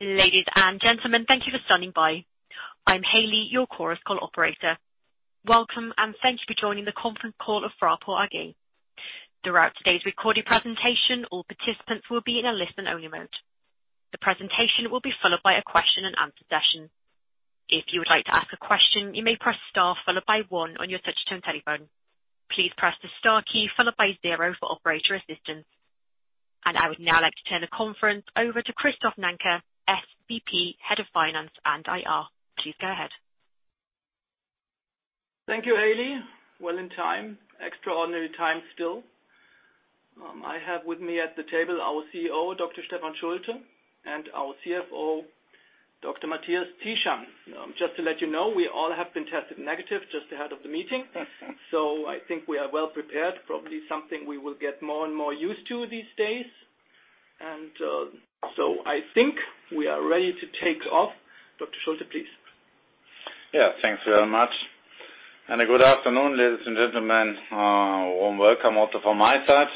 Ladies and gentlemen, thank you for standing by. I'm Hayley, your Chorus Call operator. Welcome, and thank you for joining the conference call of Fraport AG. Throughout today's recorded presentation, all participants will be in a listen-only mode. The presentation will be followed by a question-and-answer session. If you would like to ask a question, you may press star followed by one on your touch-tone telephone. Please press the star key followed by zero for operator assistance. And I would now like to turn the conference over to Christoph Nanke, SVP, Head of Finance and IR. Please go ahead. Thank you, Hayley. It's an extraordinary time still. I have with me at the table our CEO, Dr. Stefan Schulte, and our CFO, Dr. Matthias Zieschang. Just to let you know, we all have been tested negative just ahead of the meeting. So I think we are well prepared, probably something we will get more and more used to these days. I think we are ready to take off. Dr. Schulte, please. Yeah, thanks very much. And a good afternoon, ladies and gentlemen. Warm welcome also from my side.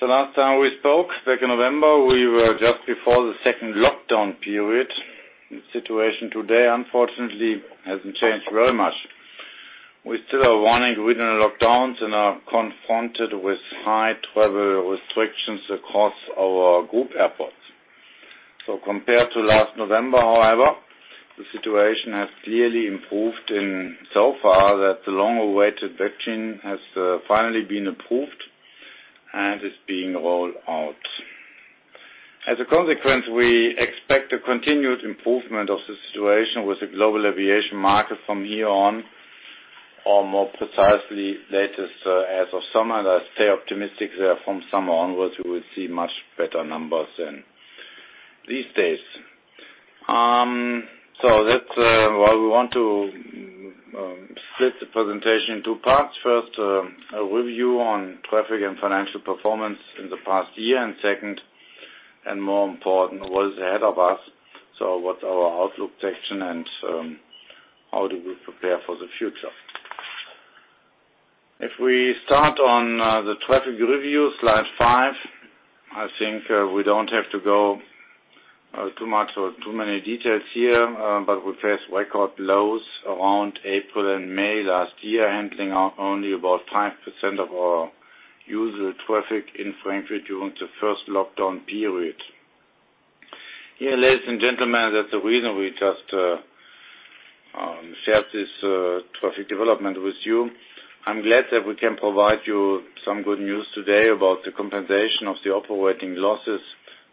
The last time we spoke, back in November, we were just before the second lockdown period. The situation today, unfortunately, hasn't changed very much. We still are in regional lockdowns and are confronted with high travel restrictions across our group airports. So compared to last November, however, the situation has clearly improved so far that the long-awaited vaccine has finally been approved and is being rolled out. As a consequence, we expect a continued improvement of the situation with the global aviation market from here on, or more precisely, latest as of summer. I stay optimistic that from summer onwards, we will see much better numbers than these days. So that's why we want to split the presentation in two parts. First, a review on traffic and financial performance in the past year, and second, and more important, what is ahead of us, so what's our outlook section and how do we prepare for the future? If we start on the traffic review, slide five, I think we don't have to go too much or too many details here, but we face record lows around April and May last year, handling only about 5% of our usual traffic in Frankfurt during the first lockdown period. Yeah, ladies and gentlemen, that's the reason we just shared this traffic development with you. I'm glad that we can provide you some good news today about the compensation of the operating losses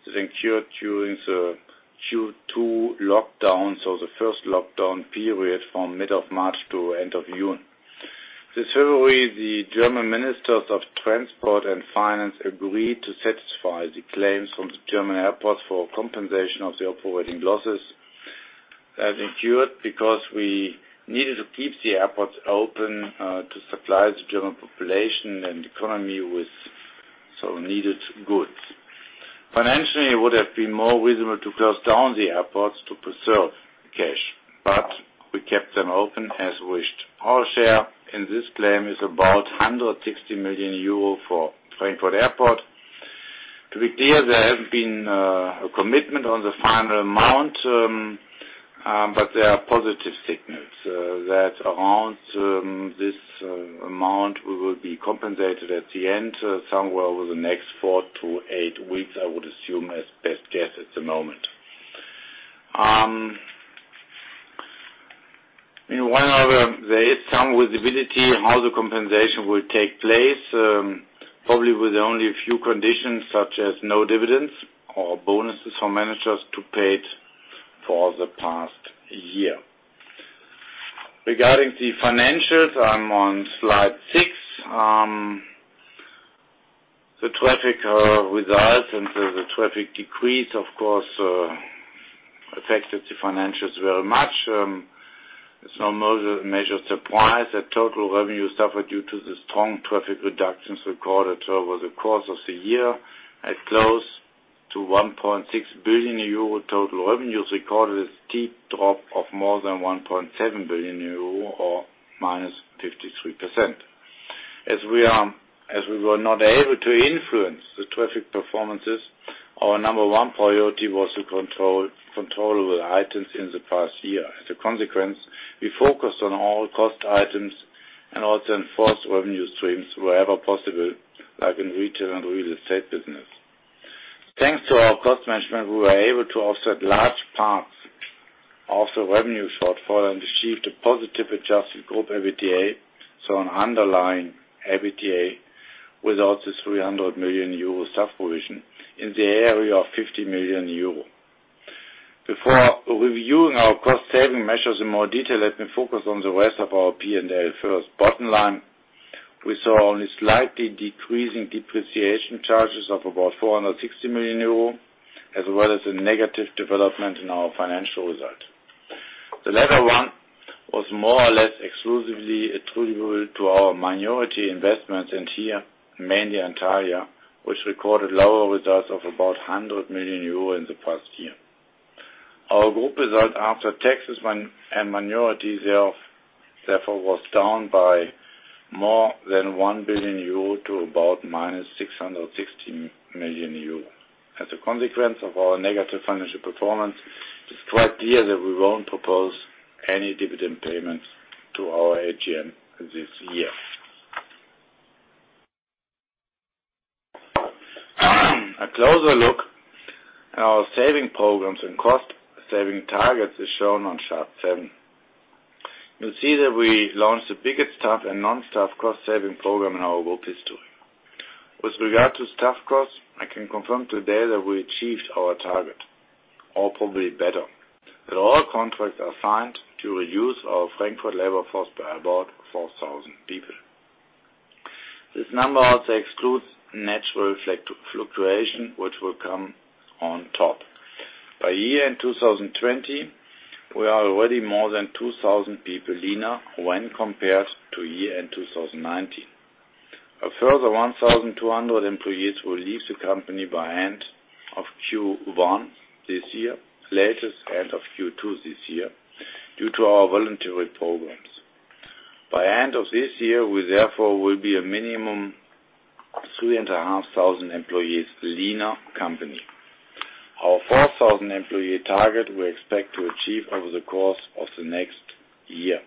that incurred during the Q2 lockdown, so the first lockdown period from mid of March to end of June. This February, the German Ministers of Transport and Finance agreed to satisfy the claims from the German airports for compensation of the operating losses that incurred because we needed to keep the airports open to supply the German population and economy with so needed goods. Financially, it would have been more reasonable to close down the airports to preserve cash, but we kept them open as wished. Our share in this claim is about 160 million euro for Frankfurt Airport. To be clear, there hasn't been a commitment on the final amount, but there are positive signals that around this amount, we will be compensated at the end somewhere over the next four to eight weeks, I would assume, as best guess at the moment. One other, there is some visibility on how the compensation will take place, probably with only a few conditions such as no dividends or bonuses for managers to be paid for the past year. Regarding the financials, I'm on slide six. The traffic results and the traffic decrease, of course, affected the financials very much. There's no major surprise. The total revenue suffered due to the strong traffic reductions recorded over the course of the year, as close to 1.6 billion euro total revenues recorded, is a steep drop of more than 1.7 billion euro or -53%. As we were not able to influence the traffic performances, our number one priority was to control controllable items in the past year. As a consequence, we focused on all cost items and also enhanced revenue streams wherever possible, like in retail and real estate business. Thanks to our cost management, we were able to offset large parts of the revenue shortfall and achieved a positive adjusted group EBITDA, so an underlying EBITDA without the 300 million euro staff provision in the area of 50 million euro. Before reviewing our cost-saving measures in more detail, let me focus on the rest of our P&L first. Bottom line, we saw only slightly decreasing depreciation charges of about 460 million euro, as well as a negative development in our financial result. The latter one was more or less exclusively attributable to our minority investments, and here mainly Antalya, which recorded lower results of about 100 million euro in the past year. Our group result after taxes and minority therefore was down by more than 1 billion euro to about -660 million euro. As a consequence of our negative financial performance, it's quite clear that we won't propose any dividend payments to our AGM this year. A closer look at our saving programs and cost-saving targets is shown on chart seven. You'll see that we launched the biggest staff and non-staff cost-saving program in our group history. With regard to staff costs, I can confirm today that we achieved our target, or probably better, that all contracts are signed to reduce our Frankfurt labor force by about 4,000 people. This number also excludes natural fluctuation, which will come on top. By year-end 2020, we are already more than 2,000 people leaner when compared to year-end 2019. A further 1,200 employees will leave the company by end of Q1 this year, latest end of Q2 this year, due to our voluntary programs. By end of this year, we therefore will be a minimum 3,500 employees leaner company. Our 4,000 employee target we expect to achieve over the course of the next year.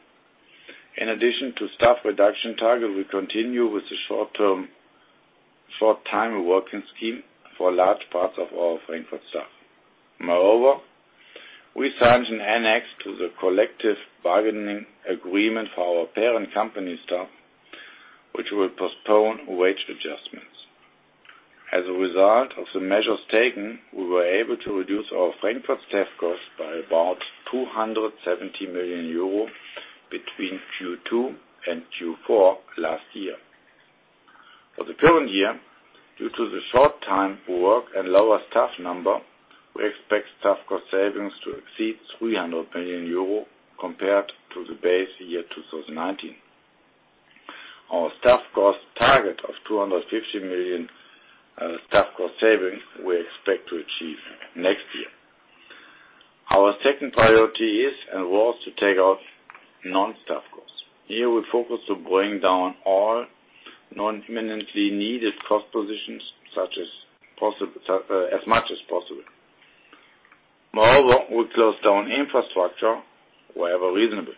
In addition to staff reduction target, we continue with the short-time working scheme for large parts of our Frankfurt staff. Moreover, we signed an annex to the collective bargaining agreement for our parent company staff, which will postpone wage adjustments. As a result of the measures taken, we were able to reduce our Frankfurt staff costs by about 270 million euro between Q2 and Q4 last year. For the current year, due to the short-time work and lower staff number, we expect staff cost savings to exceed 300 million euro compared to the base year 2019. Our staff cost target of 250 million staff cost savings we expect to achieve next year. Our second priority is and was to take out non-staff costs. Here, we focus to bring down all non-imminently needed cost positions as much as possible. Moreover, we close down infrastructure wherever reasonable.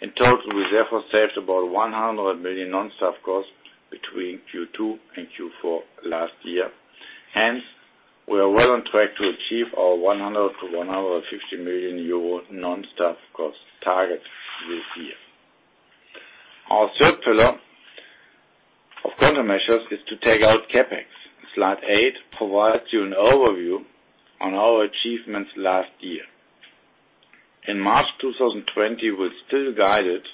In total, we therefore saved about 100 million non-staff costs between Q2 and Q4 last year. Hence, we are well on track to achieve our 100 million-150 million euro non-staff cost target this year. Our third pillar of countermeasures is to take out CapEx. Slide eight provides you an overview on our achievements last year. In March 2020, we still guided you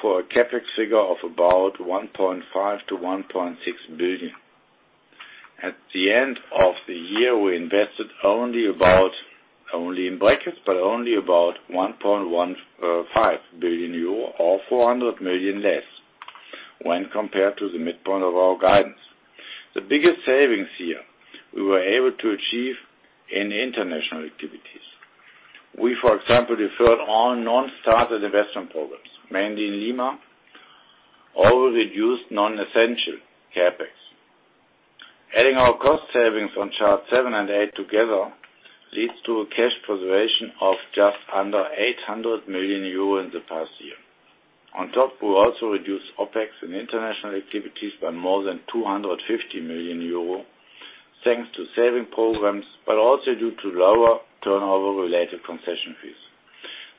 for a CapEx figure of about 1.5 billion-1.6 billion. At the end of the year, we invested only about 1.5 billion euro or 400 million less when compared to the midpoint of our guidance. The biggest savings here we were able to achieve in international activities. We, for example, deferred all non-starter investment programs, mainly in Lima, or we reduced non-essential CapEx. Adding our cost savings on chart seven and eight together leads to a cash preservation of just under 800 million euro in the past year. On top, we also reduced OpEx in international activities by more than 250 million euro thanks to saving programs, but also due to lower turnover-related concession fees.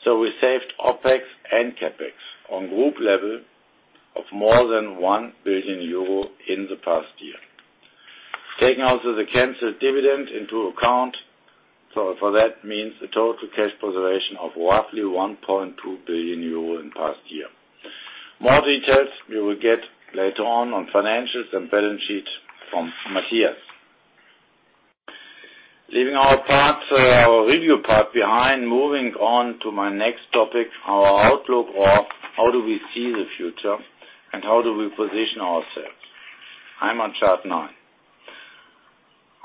So we saved OpEx and CapEx on group level of more than 1 billion euro in the past year. Taking also the canceled dividend into account, so for that means a total cash preservation of roughly 1.2 billion euro in past year. More details you will get later on on financials and balance sheet from Matthias. Leaving our review part behind, moving on to my next topic, our outlook or how do we see the future and how do we position ourselves. I'm on chart nine.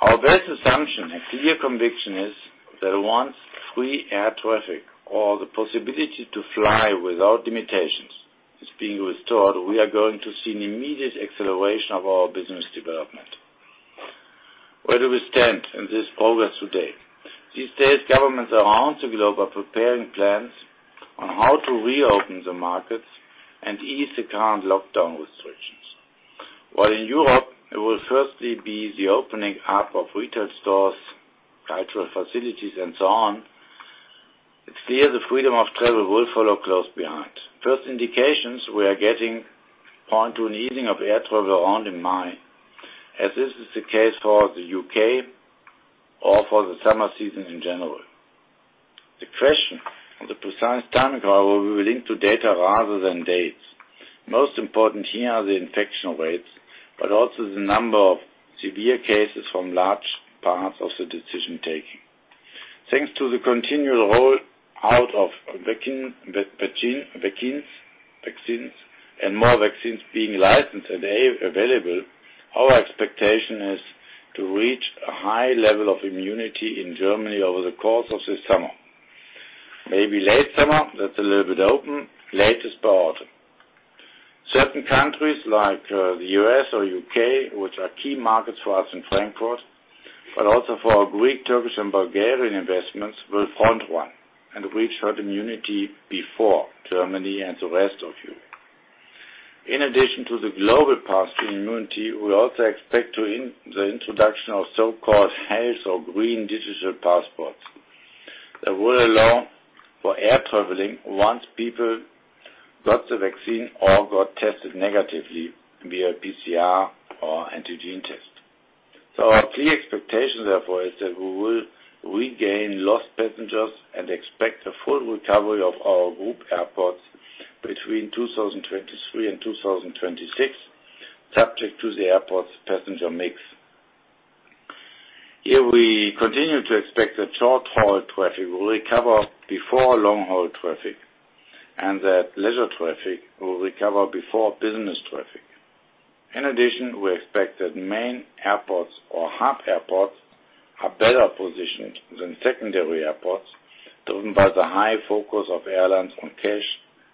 Our best assumption and clear conviction is that once free air traffic or the possibility to fly without limitations is being restored, we are going to see an immediate acceleration of our business development. Where do we stand in this progress today? These days, governments around the globe are preparing plans on how to reopen the markets and ease the current lockdown restrictions. While in Europe, it will firstly be the opening up of retail stores, cultural facilities, and so on, it's clear the freedom of travel will follow close behind. First indications we are getting point to an easing of air travel around in May, as this is the case for the U.K. or for the summer season in general. The question of the precise timing however will be linked to data rather than dates. Most important here are the infection rates, but also the number of severe cases from large parts of the decision taking. Thanks to the continued rollout of vaccines and more vaccines being licensed and available, our expectation is to reach a high level of immunity in Germany over the course of this summer. Maybe late summer, that's a little bit open, latest by autumn. Certain countries like the U.S. or U.K., which are key markets for us in Frankfurt, but also for our Greek, Turkish, and Bulgarian investments, will front run and reach herd immunity before Germany and the rest of Europe. In addition to the global passive immunity, we also expect the introduction of so-called health or green digital passports that will allow for air traveling once people got the vaccine or got tested negatively via PCR or antigen test. So our clear expectation therefore is that we will regain lost passengers and expect a full recovery of our group airports between 2023 and 2026, subject to the airports' passenger mix. Here we continue to expect that short-haul traffic will recover before long-haul traffic and that leisure traffic will recover before business traffic. In addition, we expect that main airports or hub airports are better positioned than secondary airports, driven by the high focus of airlines on cash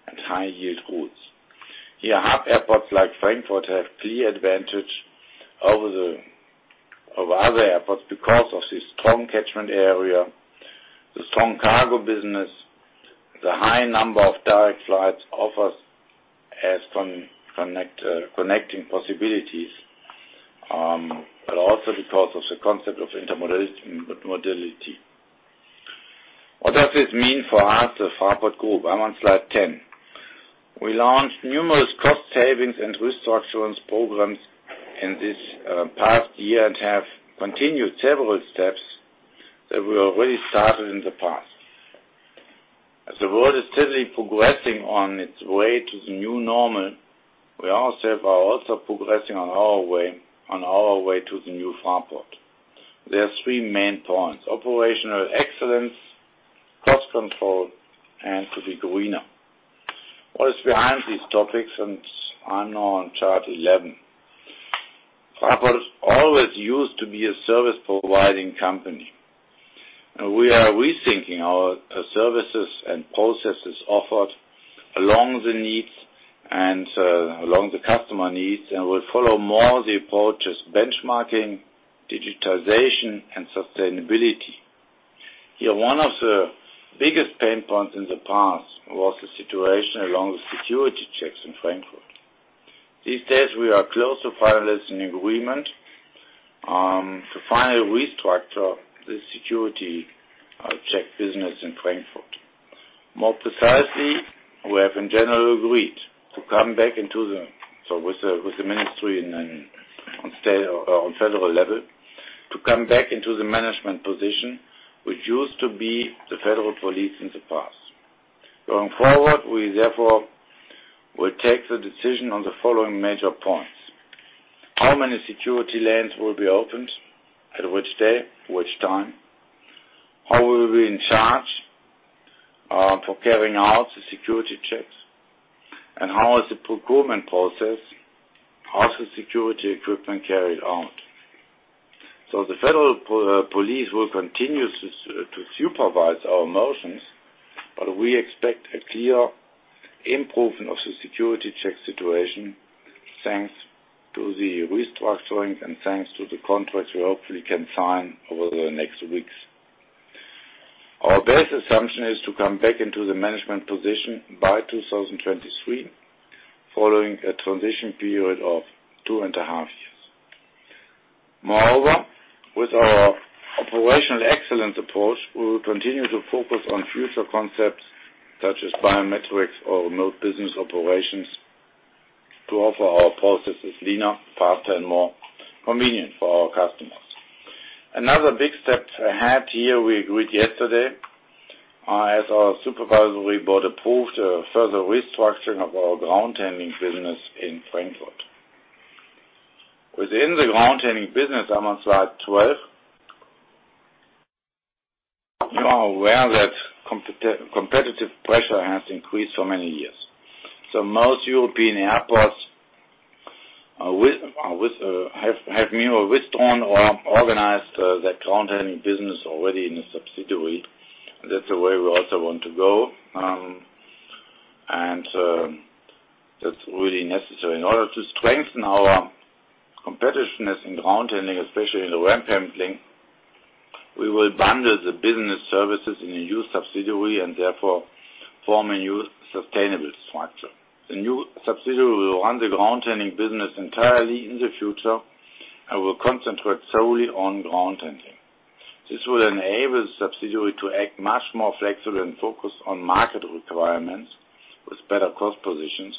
and high-yield routes. Here, hub airports like Frankfurt have a clear advantage over other airports because of the strong catchment area, the strong cargo business, the high number of direct flights offers as connecting possibilities, but also because of the concept of intermodality. What does this mean for us, the Fraport Group? I'm on slide 10. We launched numerous cost savings and restructuring programs in this past year and have continued several steps that we already started in the past. As the world is steadily progressing on its way to the new normal, we are also progressing on our way to the new Fraport. There are three main points: operational excellence, cost control, and to be greener. What is behind these topics, and I'm now on chart 11. Fraport always used to be a service-providing company. We are rethinking our services and processes offered along the needs and along the customer needs, and we'll follow more of the approaches benchmarking, digitization, and sustainability. Here, one of the biggest pain points in the past was the situation along the security checks in Frankfurt. These days, we are close to finalizing agreement to finally restructure the security check business in Frankfurt. More precisely, we have in general agreed with the ministry on federal level to come back into the management position, which used to be the Federal Police in the past. Going forward, we therefore will take the decision on the following major points: how many security lanes will be opened, at which day, which time, how will we be in charge for carrying out the security checks, and how is the procurement process of the security equipment carried out. The Federal Police will continue to supervise our actions, but we expect a clear improvement of the security check situation thanks to the restructuring and thanks to the contracts we hopefully can sign over the next weeks. Our best assumption is to come back into the management position by 2023, following a transition period of two and a half years. Moreover, with our operational excellence approach, we will continue to focus on future concepts such as biometrics or remote business operations to offer our processes leaner, faster, and more convenient for our customers. Another big step ahead here, we agreed yesterday, as our supervisory board approved a further restructuring of our ground handling business in Frankfurt. Within the ground handling business, I'm on slide 12. You are aware that competitive pressure has increased for many years. So most European airports have either withdrawn or organized that ground handling business already in a subsidiary. That's the way we also want to go, and that's really necessary. In order to strengthen our competitiveness in ground handling, especially in the ramp handling, we will bundle the business services in a new subsidiary and therefore form a new sustainable structure. The new subsidiary will run the ground handling business entirely in the future and will concentrate solely on ground handling. This will enable the subsidiary to act much more flexibly and focus on market requirements with better cost positions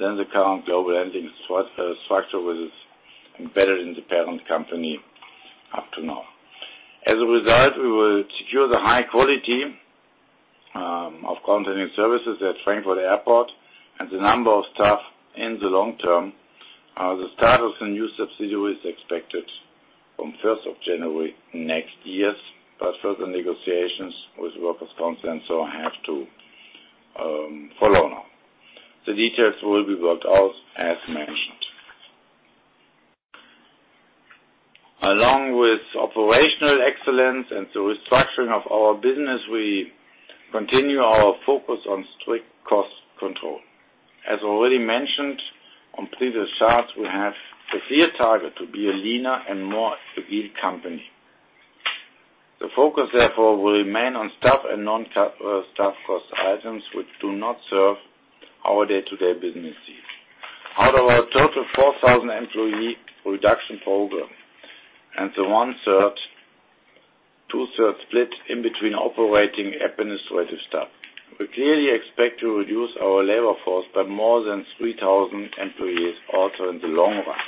than the current global handling structure with its embedded independent company up to now. As a result, we will secure the high quality of ground handling services at Frankfurt Airport and the number of staff in the long term. The start of the new subsidiary is expected on 1st of January next year, but further negotiations with Workers' Council and so have to follow now. The details will be worked out as mentioned. Along with operational excellence and the restructuring of our business, we continue our focus on strict cost control. As already mentioned on previous charts, we have a clear target to be a leaner and more agile company. The focus therefore will remain on staff and non-staff cost items, which do not serve our day-to-day business needs. Out of our total 4,000 employee reduction program and the 1/3, 2/3 split in between operating administrative staff, we clearly expect to reduce our labor force by more than 3,000 employees also in the long run,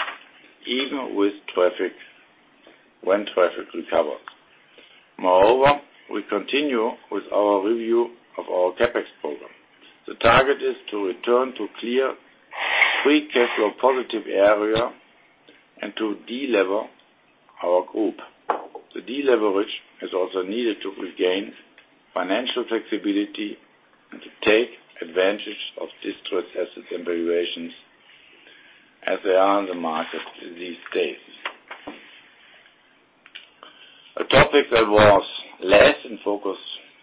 even when traffic recovers. Moreover, we continue with our review of our CapEx program. The target is to return to a clear free cash flow positive area and to delever our group. The deleverage is also needed to regain financial flexibility and to take advantage of distressed assets and valuations as they are in the market these days. A topic that was less in focus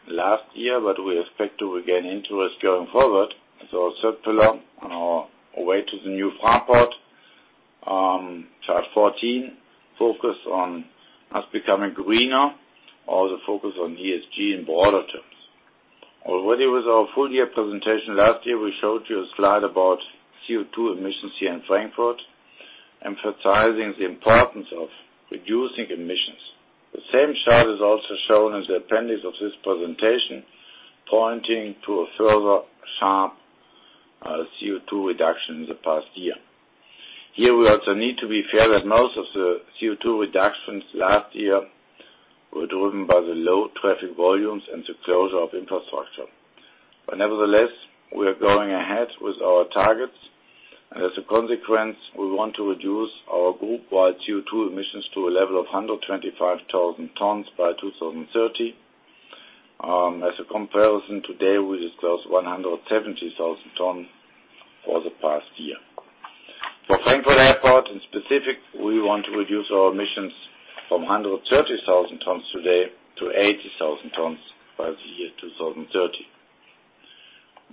last year, but we expect to regain interest going forward. So third pillar on our way to the new Fraport, chart 14, focus on us becoming greener, also focus on ESG in broader terms. Already with our full year presentation last year, we showed you a slide about CO2 emissions here in Frankfurt, emphasizing the importance of reducing emissions. The same chart is also shown in the appendix of this presentation, pointing to a further sharp CO2 reduction in the past year. Here we also need to be fair that most of the CO2 reductions last year were driven by the low traffic volumes and the closure of infrastructure. But nevertheless, we are going ahead with our targets, and as a consequence, we want to reduce our group-wide CO2 emissions to a level of 125,000 tons by 2030. As a comparison, today we disclosed 170,000 tons for the past year. For Frankfurt Airport specifically, we want to reduce our emissions from 130,000 tons today to 80,000 tons by the year 2030.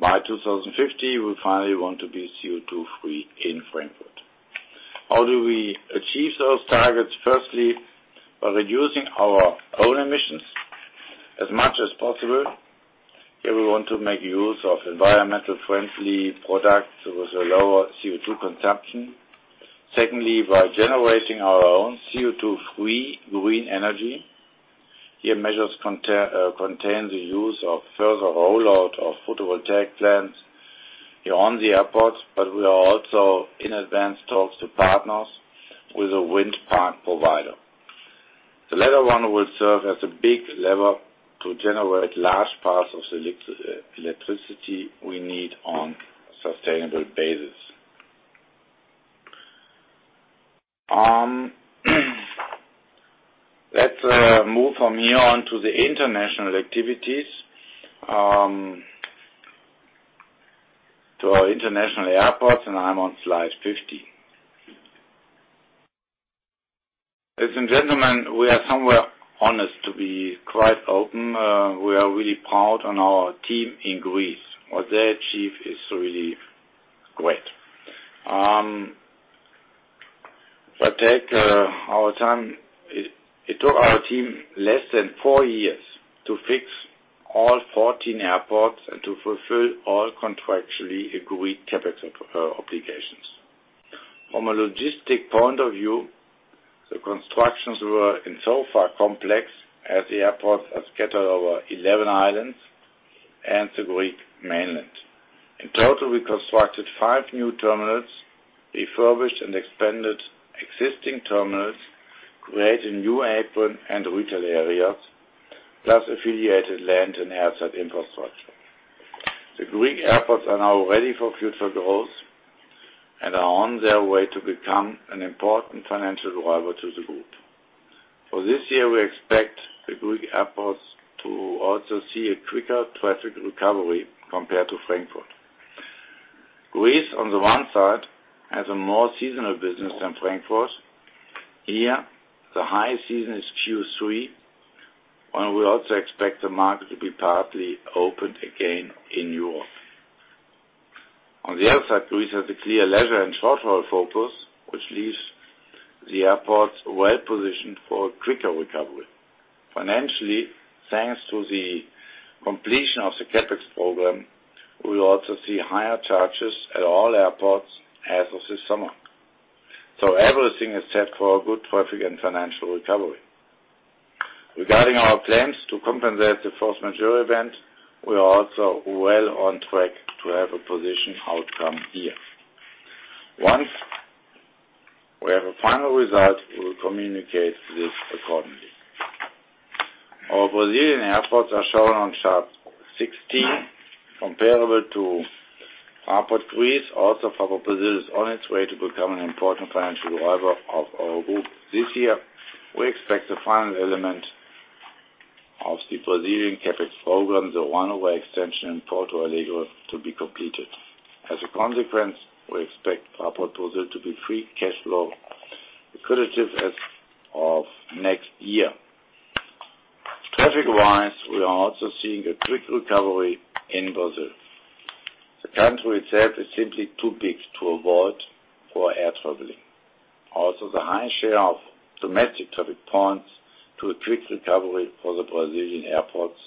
By 2050, we finally want to be CO2-free in Frankfurt. How do we achieve those targets? Firstly, by reducing our own emissions as much as possible. Here we want to make use of environmentally friendly products with a lower CO2 consumption. Secondly, by generating our own CO2-free green energy. Here measures contain the use of further rollout of photovoltaic plants here on the airport, but we are also in advanced talks to partner with a wind farm provider. The latter one will serve as a big lever to generate large parts of the electricity we need on a sustainable basis. Let's move from here on to the international activities to our international airports, and I'm on slide 15. Ladies and gentlemen, we are somewhat honest to be quite open. We are really proud of our team in Greece. What they achieved is really great. If I take our time, it took our team less than four years to fix all 14 airports and to fulfill all contractually agreed CapEx obligations. From a logistics point of view, the constructions were in so far complex as the airports are scattered over 11 islands and the Greek mainland. In total, we constructed five new terminals, refurbished and expanded existing terminals, created new apron and retail areas, plus affiliated land and airside infrastructure. The Greek airports are now ready for future growth and are on their way to become an important financial driver to the group. For this year, we expect the Greek airports to also see a quicker traffic recovery compared to Frankfurt. Greece, on the one side, has a more seasonal business than Frankfurt. Here, the high season is Q3, and we also expect the market to be partly opened again in Europe. On the other side, Greece has a clear leisure and short-haul focus, which leaves the airports well positioned for a quicker recovery. Financially, thanks to the completion of the CapEx program, we will also see higher charges at all airports as of this summer. So everything is set for a good traffic and financial recovery. Regarding our plans to compensate the force majeure event, we are also well on track to have a positive outcome here. Once we have a final result, we will communicate this accordingly. Our Brazilian airports are shown on chart 16, comparable to Fraport Greece. Also, Fraport Brazil is on its way to become an important financial driver of our group. This year, we expect the final element of the Brazilian CapEx program, the runway extension in Porto Alegre, to be completed. As a consequence, we expect Fraport Brazil to be free cash flow accretive as of next year. Traffic-wise, we are also seeing a quick recovery in Brazil. The country itself is simply too big to avoid for air traveling. Also, the high share of domestic traffic points to a quick recovery for the Brazilian airports,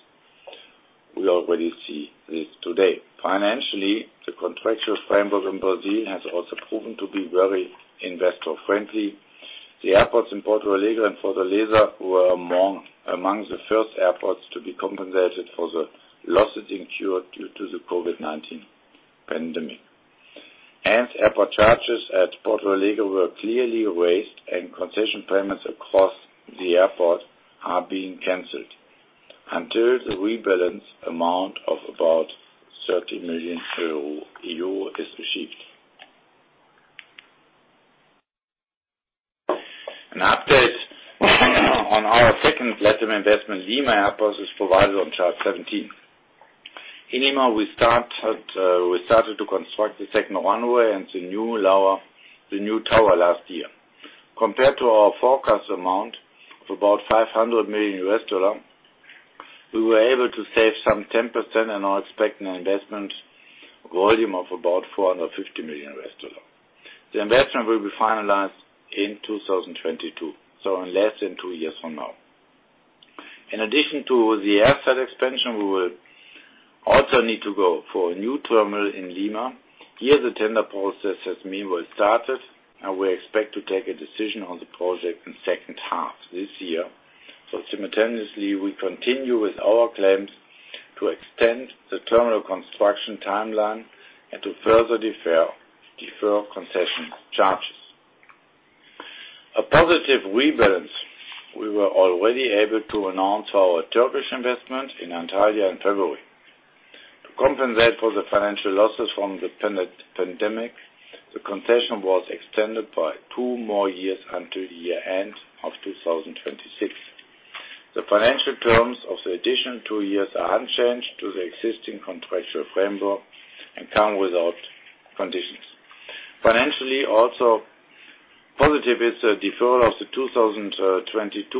we already see this today. Financially, the contractual framework in Brazil has also proven to be very investor-friendly. The airports in Porto Alegre and Fortaleza were among the first airports to be compensated for the losses incurred due to the COVID-19 pandemic. Hence, airport charges at Porto Alegre were clearly raised, and concession payments across the airport are being canceled until the rebalance amount of about 30 million euro is achieved. An update on our second platinum investment, Lima Airport, is provided on chart 17. In Lima, we started to construct the second runway and the new tower last year. Compared to our forecast amount of about $500 million, we were able to save some 10% and now expect an investment volume of about $450 million. The investment will be finalized in 2022, so in less than two years from now. In addition to the airside expansion, we will also need to go for a new terminal in Lima. Here, the tender process has meanwhile started, and we expect to take a decision on the project in the second half this year. So simultaneously, we continue with our claims to extend the terminal construction timeline and to further defer concession charges. A positive rebalance, we were already able to announce our Turkish investment in Antalya in February. To compensate for the financial losses from the pandemic, the concession was extended by two more years until the year end of 2026. The financial terms of the additional two years are unchanged to the existing contractual framework and come without conditions. Financially, also positive is the deferral of the 2022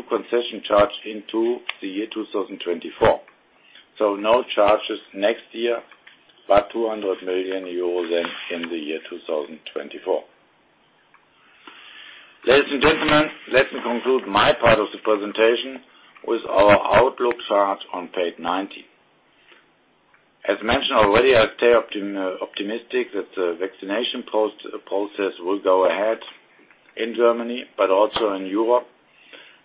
concession charge into the year 2024, so no charges next year, but 200 million euros then in the year 2024. Ladies and gentlemen, let me conclude my part of the presentation with our outlook chart on page 19. As mentioned already, I stay optimistic that the vaccination process will go ahead in Germany, but also in Europe,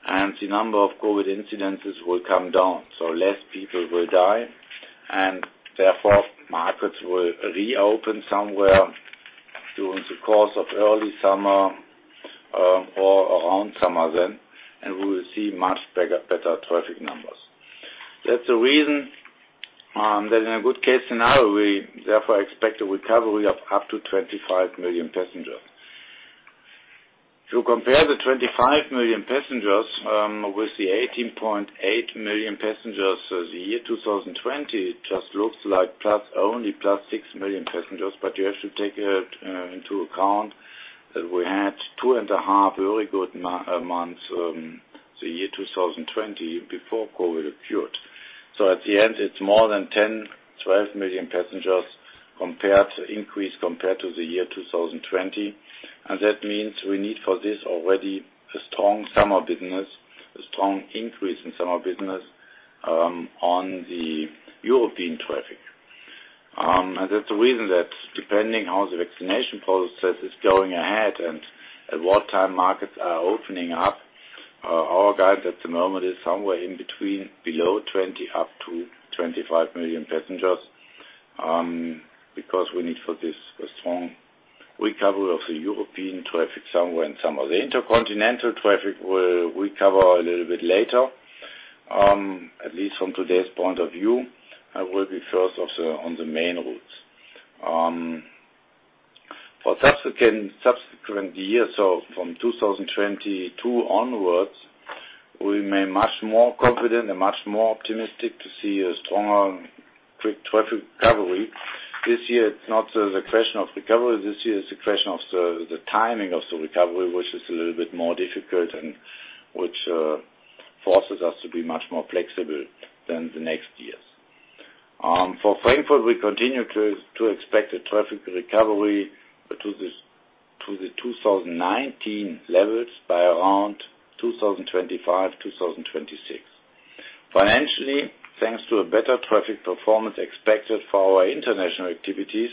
and the number of COVID incidences will come down, so less people will die, and therefore markets will reopen somewhere during the course of early summer or around summer then, and we will see much better traffic numbers. That's the reason that in a good case scenario, we therefore expect a recovery of up to 25 million passengers. To compare the 25 million passengers with the 18.8 million passengers, the year 2020 just looks like only +6 million passengers, but you have to take into account that we had two and a half very good months the year 2020 before COVID occurred. So at the end, it's more than 10, 12 million passengers increase compared to the year 2020, and that means we need for this already a strong summer business, a strong increase in summer business on the European traffic. That's the reason that depending on how the vaccination process is going ahead and at what time markets are opening up, our guide at the moment is somewhere in between below 20 up to 25 million passengers because we need for this a strong recovery of the European traffic somewhere in summer. The intercontinental traffic will recover a little bit later, at least from today's point of view, and will be first on the main routes. For subsequent years, so from 2022 onwards, we remain much more confident and much more optimistic to see a stronger quick traffic recovery. This year, it's not the question of recovery. This year is the question of the timing of the recovery, which is a little bit more difficult and which forces us to be much more flexible than the next years. For Frankfurt, we continue to expect a traffic recovery to the 2019 levels by around 2025, 2026. Financially, thanks to a better traffic performance expected for our international activities,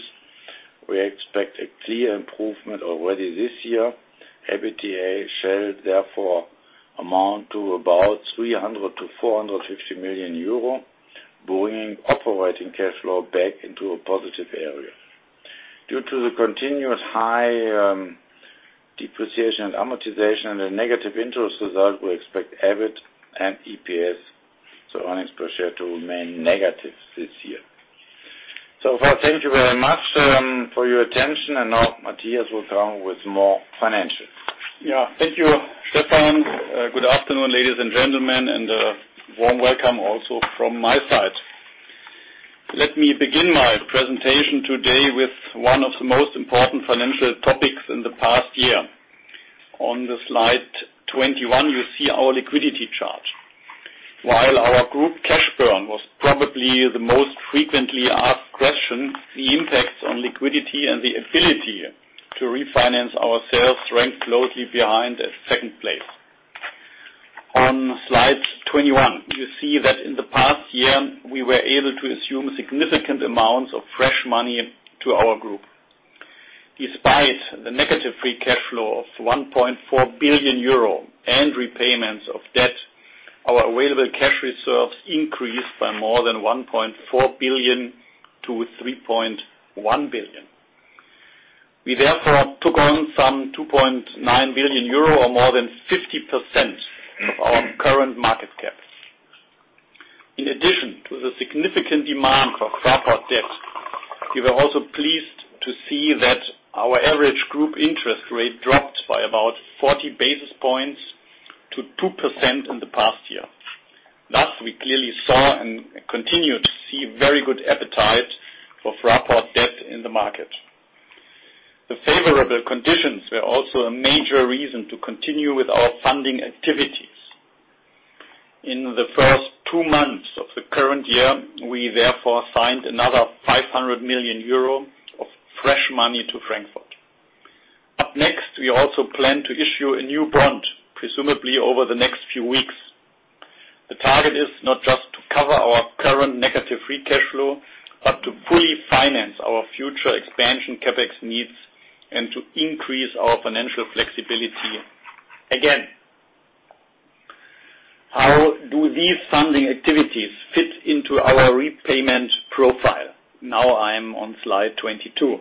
we expect a clear improvement already this year. EBITDA shall therefore amount to about 300 million-450 million euro, bringing operating cash flow back into a positive area. Due to the continuous high depreciation and amortization and the negative interest result, we expect EBIT and EPS, so earnings per share, to remain negative this year. So far, thank you very much for your attention, and now Matthias will come with more financials. Yeah, thank you, Stefan. Good afternoon, ladies and gentlemen, and a warm welcome also from my side. Let me begin my presentation today with one of the most important financial topics in the past year. On the slide 21, you see our liquidity chart. While our group cash burn was probably the most frequently asked question, the impacts on liquidity and the ability to refinance ourselves ranked closely behind at second place. On slide 21, you see that in the past year, we were able to assume significant amounts of fresh money to our group. Despite the negative free cash flow of 1.4 billion euro and repayments of debt, our available cash reserves increased by more than 1.4 billion to 3.1 billion. We therefore took on some 2.9 billion euro or more than 50% of our current market cap. In addition to the significant demand for Fraport debt, we were also pleased to see that our average group interest rate dropped by about 40 basis points to 2% in the past year. Thus, we clearly saw and continue to see very good appetite for Fraport debt in the market. The favorable conditions were also a major reason to continue with our funding activities. In the first two months of the current year, we therefore signed another 500 million euro of fresh money to Frankfurt. Up next, we also plan to issue a new bond, presumably over the next few weeks. The target is not just to cover our current negative free cash flow, but to fully finance our future expansion CapEx needs and to increase our financial flexibility again. How do these funding activities fit into our repayment profile? Now I am on slide 22.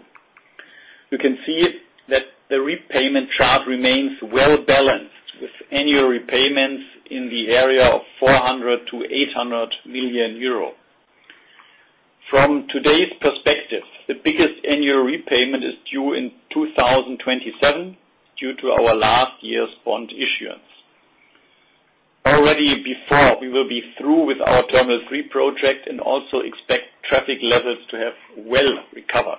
You can see that the repayment chart remains well balanced with annual repayments in the area of 400 million-800 million euro. From today's perspective, the biggest annual repayment is due in 2027 due to our last year's bond issuance. Already before, we will be through with our Terminal 3 project and also expect traffic levels to have well recovered.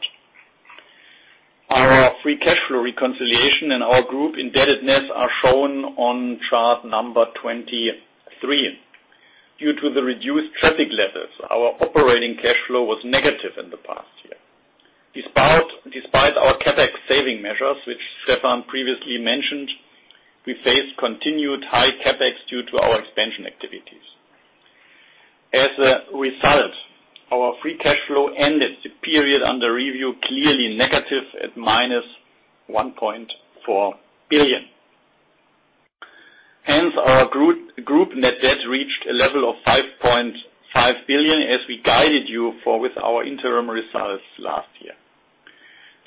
Our free cash flow reconciliation and our group indebtedness are shown on chart number 23. Due to the reduced traffic levels, our operating cash flow was negative in the past year. Despite our CapEx saving measures, which Stefan previously mentioned, we faced continued high CapEx due to our expansion activities. As a result, our free cash flow ended the period under review clearly negative at -1.4 billion. Hence, our group net debt reached a level of 5.5 billion as we guided you for with our interim results last year.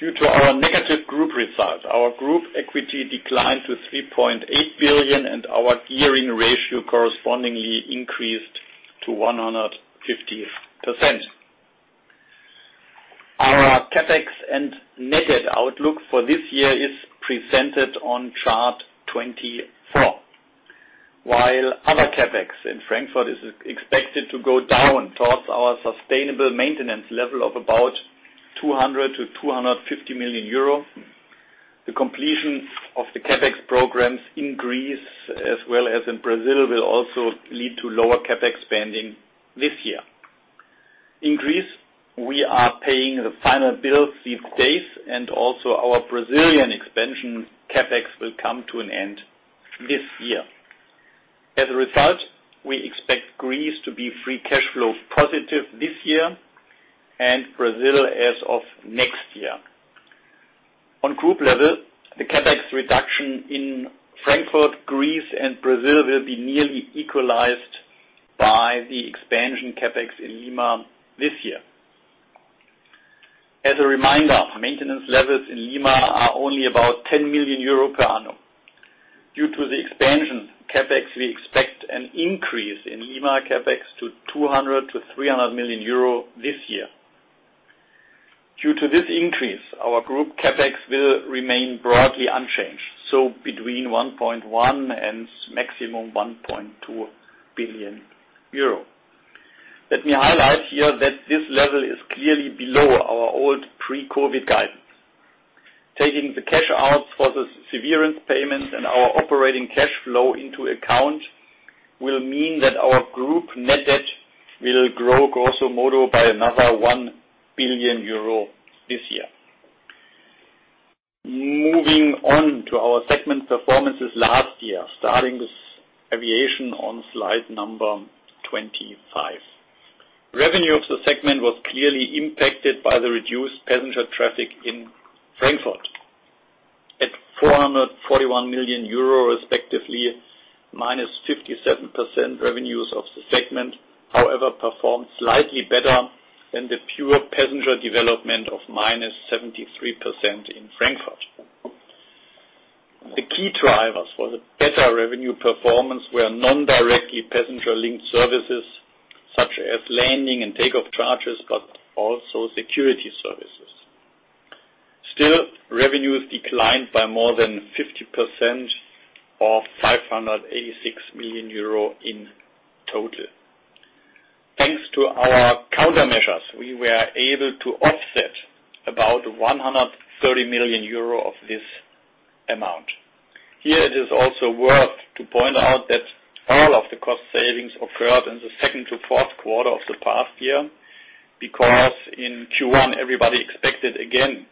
Due to our negative group result, our group equity declined to 3.8 billion, and our gearing ratio correspondingly increased to 150%. Our CapEx and net debt outlook for this year is presented on chart 24. While other CapEx in Frankfurt is expected to go down towards our sustainable maintenance level of about 200 million-250 million euro, the completion of the CapEx programs in Greece as well as in Brazil will also lead to lower CapEx spending this year. In Greece, we are paying the final bills these days, and also our Brazilian expansion CapEx will come to an end this year. As a result, we expect Greece to be free cash flow positive this year and Brazil as of next year. On group level, the CapEx reduction in Frankfurt, Greece, and Brazil will be nearly equalized by the expansion CapEx in Lima this year. As a reminder, maintenance levels in Lima are only about 10 million euro per annum. Due to the expansion CapEx, we expect an increase in Lima CapEx to 200 million-300 million euro this year. Due to this increase, our group CapEx will remain broadly unchanged, so between 1.1 billion and maximum 1.2 billion euro. Let me highlight here that this level is clearly below our old pre-COVID guidance. Taking the cash out for the severance payments and our operating cash flow into account will mean that our group net debt will grow grosso modo by another 1 billion euro this year. Moving on to our segment performances last year, starting with aviation on slide number 25. Revenue of the segment was clearly impacted by the reduced passenger traffic in Frankfurt at EUR 441 million respectively -57%. Revenues of the segment, however, performed slightly better than the pure passenger development of -73% in Frankfurt. The key drivers for the better revenue performance were non-directly passenger-linked services such as landing and takeoff charges, but also security services. Still, revenues declined by more than 50% or 586 million euro in total. Thanks to our countermeasures, we were able to offset about 130 million euro of this amount. Here, it is also worth to point out that all of the cost savings occurred in the second to fourth quarter of the past year because in Q1, everybody expected again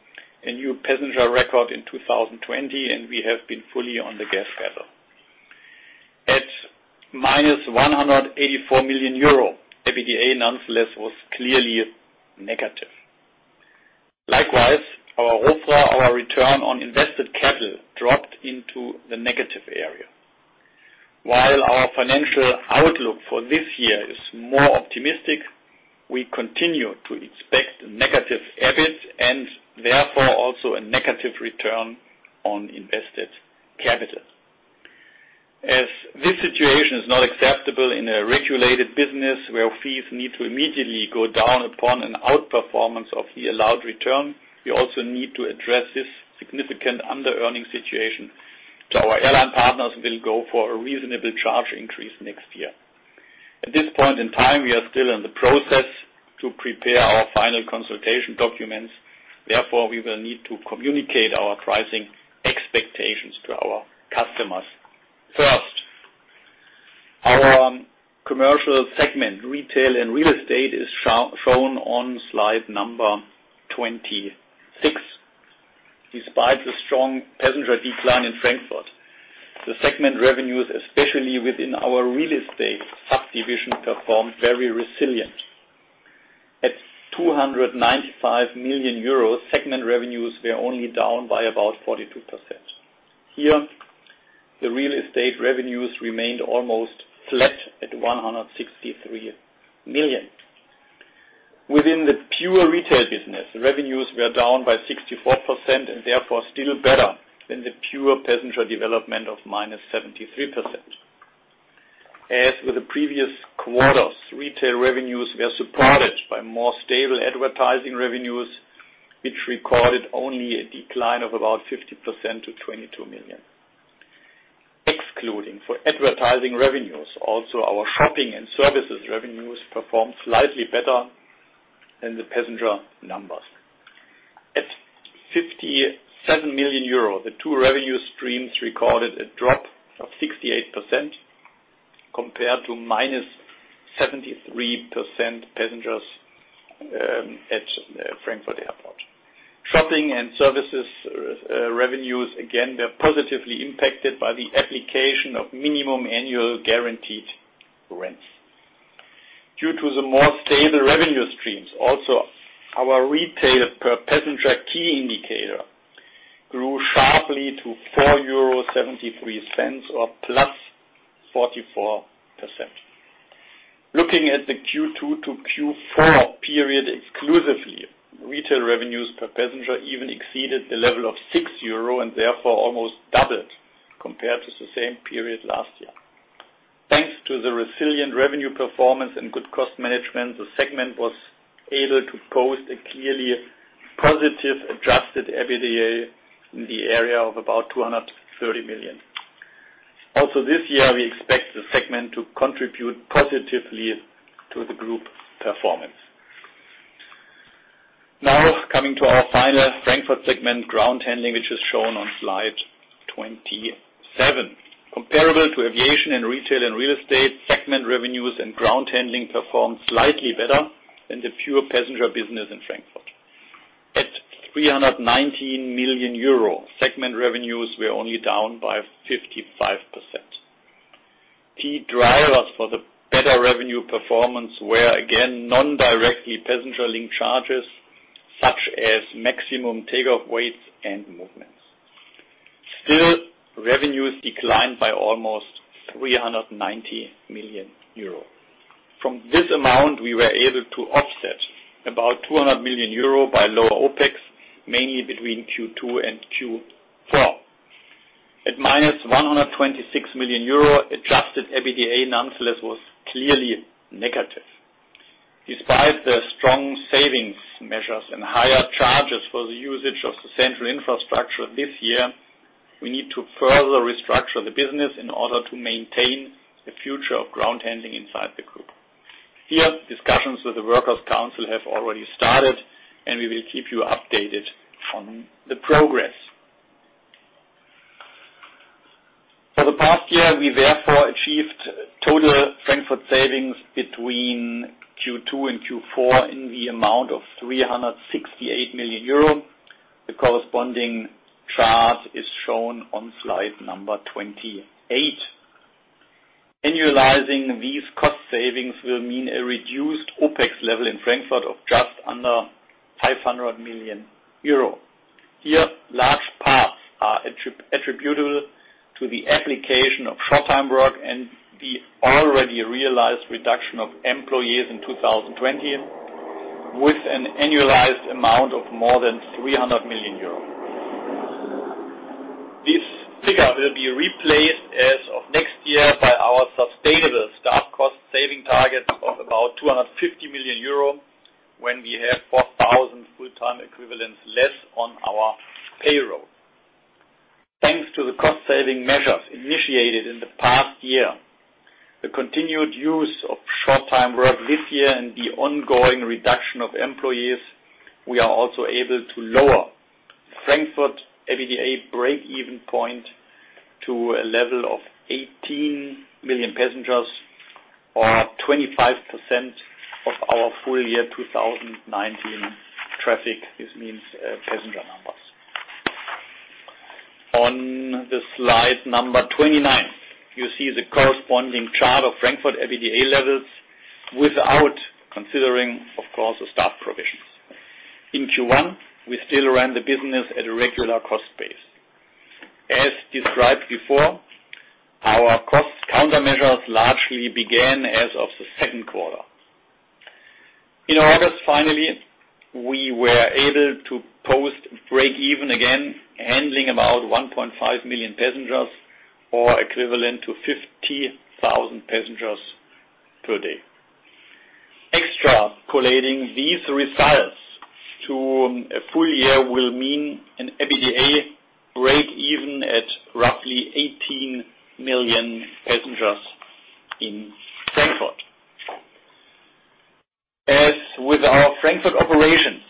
a new passenger record in 2020, and we have been fully on the gas pedal. At -184 million euro, EBITDA nonetheless was clearly negative. Likewise, our return on invested capital dropped into the negative area. While our financial outlook for this year is more optimistic, we continue to expect negative EBIT and therefore also a negative return on invested capital. As this situation is not acceptable in a regulated business where fees need to immediately go down upon an outperformance of the allowed return, we also need to address this significant under-earning situation, so our airline partners will go for a reasonable charge increase next year. At this point in time, we are still in the process to prepare our final consultation documents. Therefore, we will need to communicate our pricing expectations to our customers. First, our commercial segment, retail and real estate, is shown on slide number 26. Despite the strong passenger decline in Frankfurt, the segment revenues, especially within our real estate subdivision, performed very resilient. At 295 million euros, segment revenues were only down by about 42%. Here, the real estate revenues remained almost flat at 163 million. Within the pure retail business, revenues were down by 64% and therefore still better than the pure passenger development of -73%. As with the previous quarters, retail revenues were supported by more stable advertising revenues, which recorded only a decline of about 50% to 22 million. Excluding for advertising revenues, also our shopping and services revenues performed slightly better than the passenger numbers. At 57 million euro, the two revenue streams recorded a drop of 68% compared to -73% passengers at Frankfurt Airport. Shopping and services revenues, again, were positively impacted by the application of minimum annual guaranteed rents. Due to the more stable revenue streams, also our retail per passenger key indicator grew sharply to 4.73 euro or +44%. Looking at the Q2-Q4 period exclusively, retail revenues per passenger even exceeded the level of 6 euro and therefore almost doubled compared to the same period last year. Thanks to the resilient revenue performance and good cost management, the segment was able to post a clearly positive adjusted EBITDA in the area of about 230 million. Also this year, we expect the segment to contribute positively to the group performance. Now coming to our final Frankfurt segment ground handling, which is shown on slide 27. Comparable to aviation and retail and real estate, segment revenues and ground handling performed slightly better than the pure passenger business in Frankfurt. At 319 million euro, segment revenues were only down by 55%. Key drivers for the better revenue performance were again non-directly passenger-linked charges such as maximum takeoff weights and movements. Still, revenues declined by almost 390 million euro. From this amount, we were able to offset about 200 million euro by lower OpEx, mainly between Q2 and Q4. At -126 million euro, adjusted EBITDA nonetheless was clearly negative. Despite the strong savings measures and higher charges for the usage of the central infrastructure this year, we need to further restructure the business in order to maintain the future of ground handling inside the group. Here, discussions with the Workers' Council have already started, and we will keep you updated on the progress. For the past year, we therefore achieved total Frankfurt savings between Q2 and Q4 in the amount of 368 million euro. The corresponding chart is shown on slide number 28. Annualizing these cost savings will mean a reduced OpEx level in Frankfurt of just under 500 million euro. Here, large parts are attributable to the application of short-time work and the already realized reduction of employees in 2020 with an annualized amount of more than 300 million euros. This figure will be replaced as of next year by our sustainable structural cost saving targets of about 250 million euro when we have 4,000 full-time equivalents less on our payroll. Thanks to the cost saving measures initiated in the past year, the continued use of short-time work this year and the ongoing reduction of employees, we are also able to lower Frankfurt EBITDA break-even point to a level of 18 million passengers or 25% of our full year 2019 traffic. This means passenger numbers. On the slide number 29, you see the corresponding chart of Frankfurt EBITDA levels without considering, of course, the staff provisions. In Q1, we still ran the business at a regular cost base. As described before, our cost countermeasures largely began as of the second quarter. In August, finally, we were able to post break-even again, handling about 1.5 million passengers or equivalent to 50,000 passengers per day. Extrapolating these results to a full year will mean an EBITDA break-even at roughly 18 million passengers in Frankfurt. As with our Frankfurt operations,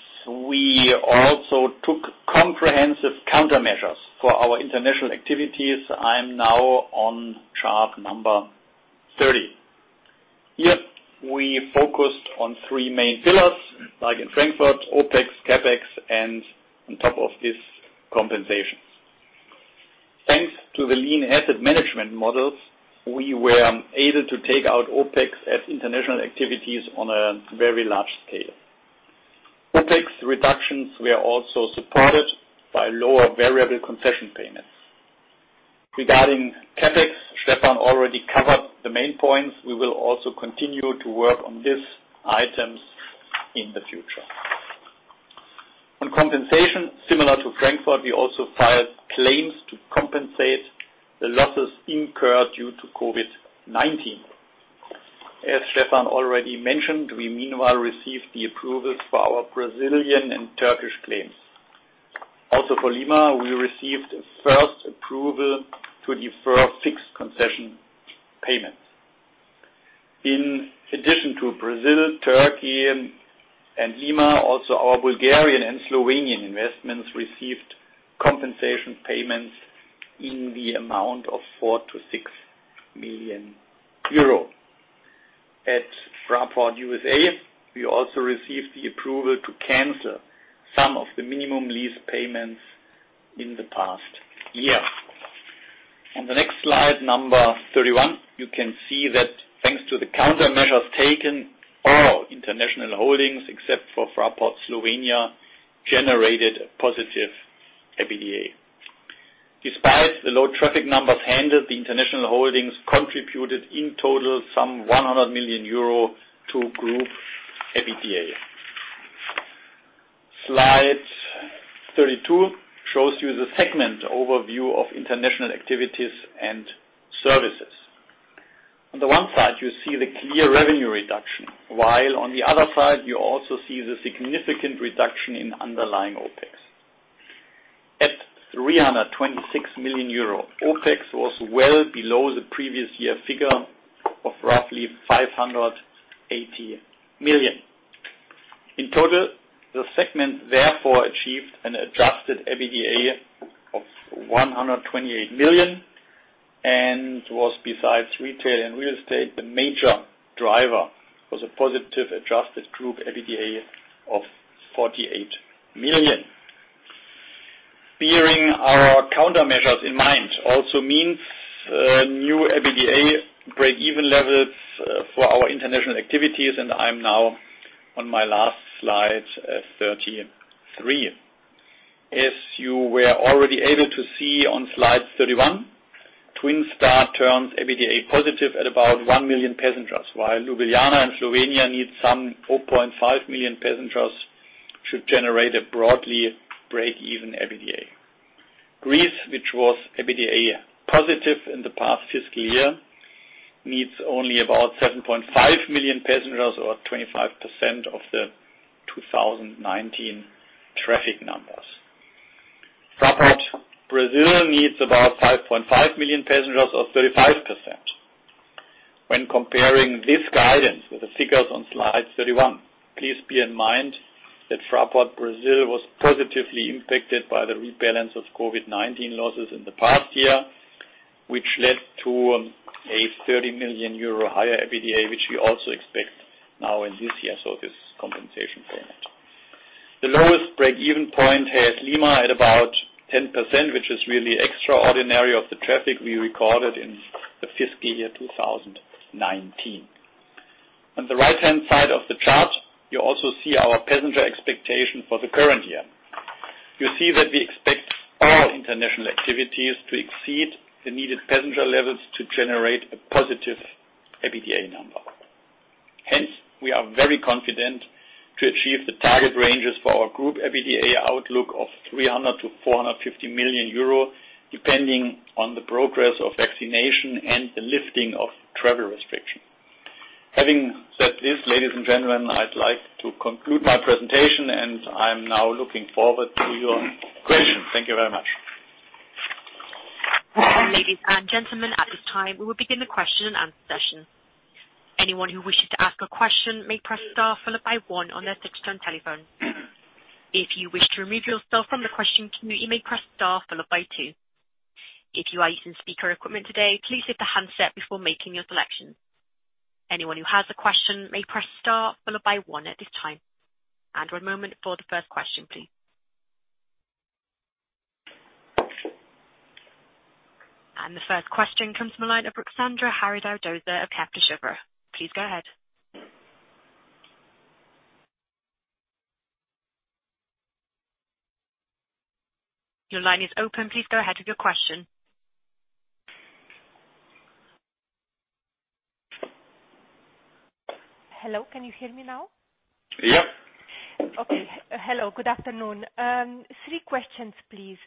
we also took comprehensive countermeasures for our international activities. I'm now on chart number 30. Here, we focused on three main pillars, like in Frankfurt, OpEx, CapEx, and on top of this, compensation. Thanks to the lean asset management models, we were able to take out OpEx at international activities on a very large scale. OpEx reductions were also supported by lower variable concession payments. Regarding CapEx, Stefan already covered the main points. We will also continue to work on these items in the future. On compensation, similar to Frankfurt, we also filed claims to compensate the losses incurred due to COVID-19. As Stefan already mentioned, we meanwhile received the approvals for our Brazilian and Turkish claims. Also for Lima, we received a first approval to defer fixed concession payments. In addition to Brazil, Turkey, and Lima, also our Bulgarian and Slovenian investments received compensation payments in the amount of 4 million-6 million euro. At Fraport USA, we also received the approval to cancel some of the minimum lease payments in the past year. On the next slide, number 31, you can see that thanks to the countermeasures taken, all international holdings, except for Fraport Slovenia, generated a positive EBITDA. Despite the low traffic numbers handled, the international holdings contributed in total some 100 million euro to group EBITDA. Slide 32 shows you the segment overview of international activities and services. On the one side, you see the clear revenue reduction, while on the other side, you also see the significant reduction in underlying OpEx. At 326 million euro, OpEx was well below the previous year figure of roughly 580 million. In total, the segment therefore achieved an adjusted EBITDA of 128 million and was, besides retail and real estate, the major driver for the positive adjusted group EBITDA of 48 million. Bearing our countermeasures in mind also means new EBITDA break-even levels for our international activities, and I'm now on my last slide 33. As you were already able to see on slide 31, Twin Star turns EBITDA positive at about 1 million passengers, while Ljubljana and Slovenia need some 0.5 million passengers to generate a broadly break-even EBITDA. Greece, which was EBITDA positive in the past fiscal year, needs only about 7.5 million passengers or 25% of the 2019 traffic numbers. Fraport Brazil needs about 5.5 million passengers or 35%. When comparing this guidance with the figures on slide 31, please bear in mind that Fraport Brazil was positively impacted by the rebalance of COVID-19 losses in the past year, which led to a 30 million euro higher EBITDA, which we also expect now in this year, so this compensation payment. The lowest break-even point has Lima at about 10%, which is really extraordinary of the traffic we recorded in the fiscal year 2019. On the right-hand side of the chart, you also see our passenger expectation for the current year. You see that we expect all international activities to exceed the needed passenger levels to generate a positive EBITDA number. Hence, we are very confident to achieve the target ranges for our group EBITDA outlook of 300 million-450 million euro, depending on the progress of vaccination and the lifting of travel restrictions. Having said this, ladies and gentlemen, I'd like to conclude my presentation, and I'm now looking forward to your questions. Thank you very much. Ladies and gentlemen, at this time, we will begin the question and answer session. Anyone who wishes to ask a question may press star followed by one on their touch-tone telephone. If you wish to remove yourself from the question queue, you may press star followed by two. If you are using speaker equipment today, please lift the handset before making your selection. Anyone who has a question may press star followed by one at this time. And one moment for the first question, please. The first question comes from the line of Ruxandra Haradau-Döser of Kepler Cheuvreux. Please go ahead. Your line is open. Please go ahead with your question. Hello, can you hear me now? Yep. Okay. Hello, good afternoon. Three questions, please.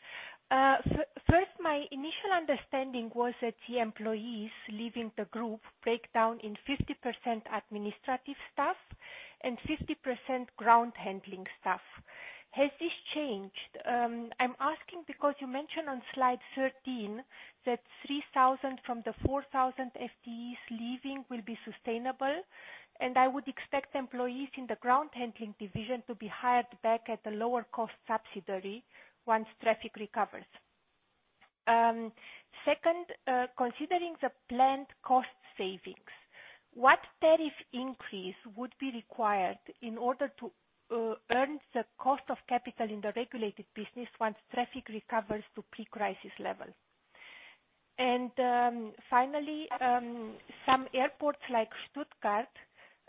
First, my initial understanding was that the employees leaving the group break down in 50% administrative staff and 50% ground handling staff. Has this changed? I'm asking because you mentioned on slide 13 that 3,000 from the 4,000 FTEs leaving will be sustainable, and I would expect employees in the ground handling division to be hired back at a lower cost subsidiary once traffic recovers. Second, considering the planned cost savings, what tariff increase would be required in order to earn the cost of capital in the regulated business once traffic recovers to pre-crisis level? Finally, some airports like Stuttgart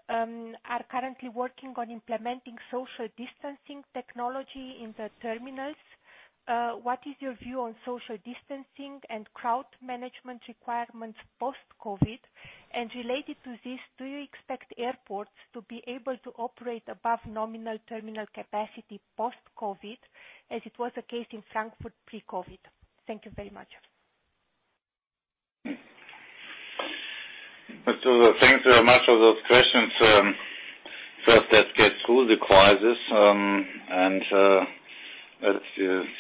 are currently working on implementing social distancing technology in the terminals. What is your view on social distancing and crowd management requirements post-COVID? Related to this, do you expect airports to be able to operate above nominal terminal capacity post-COVID, as it was the case in Frankfurt pre-COVID? Thank you very much. Thanks very much for those questions. First, let's get through the crisis, and let's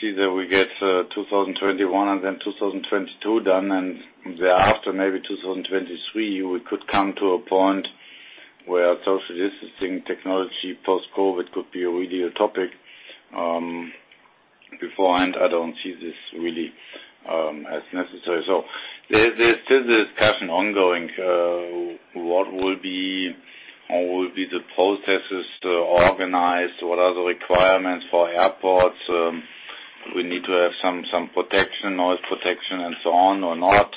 see that we get 2021 and then 2022 done, and thereafter, maybe 2023, we could come to a point where social distancing technology post-COVID could be a real topic. Beforehand, I don't see this really as necessary. There's still the discussion ongoing. What will be the processes to organize? What are the requirements for airports? Do we need to have some protection, no protection, and so on or not?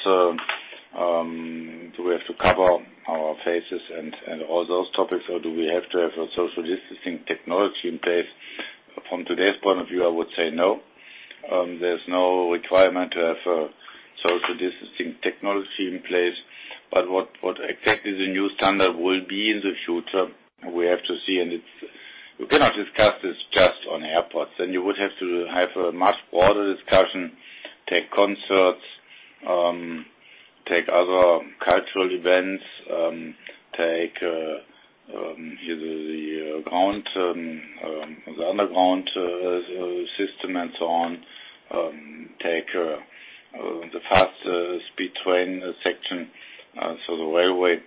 Do we have to cover our faces and all those topics, or do we have to have a social distancing technology in place? From today's point of view, I would say no. There's no requirement to have a social distancing technology in place. But what exactly the new standard will be in the future, we have to see. And we cannot discuss this just on airports. Then you would have to have a much broader discussion. Take concerts, take other cultural events, take the underground system and so on, take the fast speed train section, so the railway.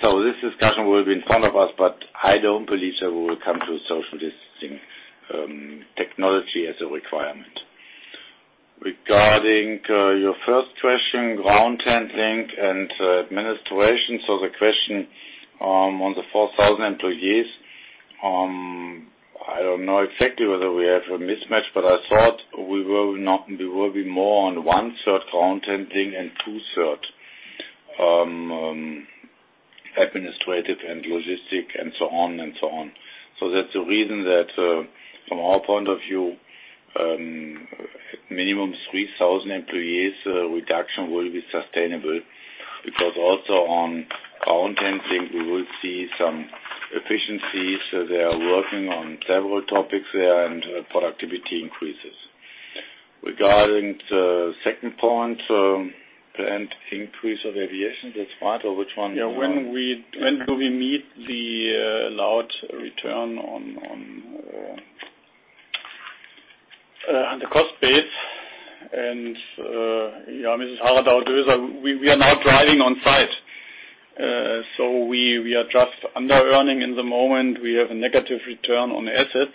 So this discussion will be in front of us, but I don't believe that we will come to social distancing technology as a requirement. Regarding your first question, ground handling and administration, so the question on the 4,000 employees, I don't know exactly whether we have a mismatch, but I thought we will be more on one-third ground handling and two-thirds administrative and logistic and so on and so on. So that's the reason that from our point of view, minimum 3,000 employees reduction will be sustainable because also on ground handling, we will see some efficiencies. They are working on several topics there, and productivity increases. Regarding the second point, planned increase of aviation, that's right, or which one? Yeah. When do we meet the allowed return on the cost base? And, Mrs. Haradau-Döser, we are now driving on site, so we are just under-earning in the moment. We have a negative return on assets,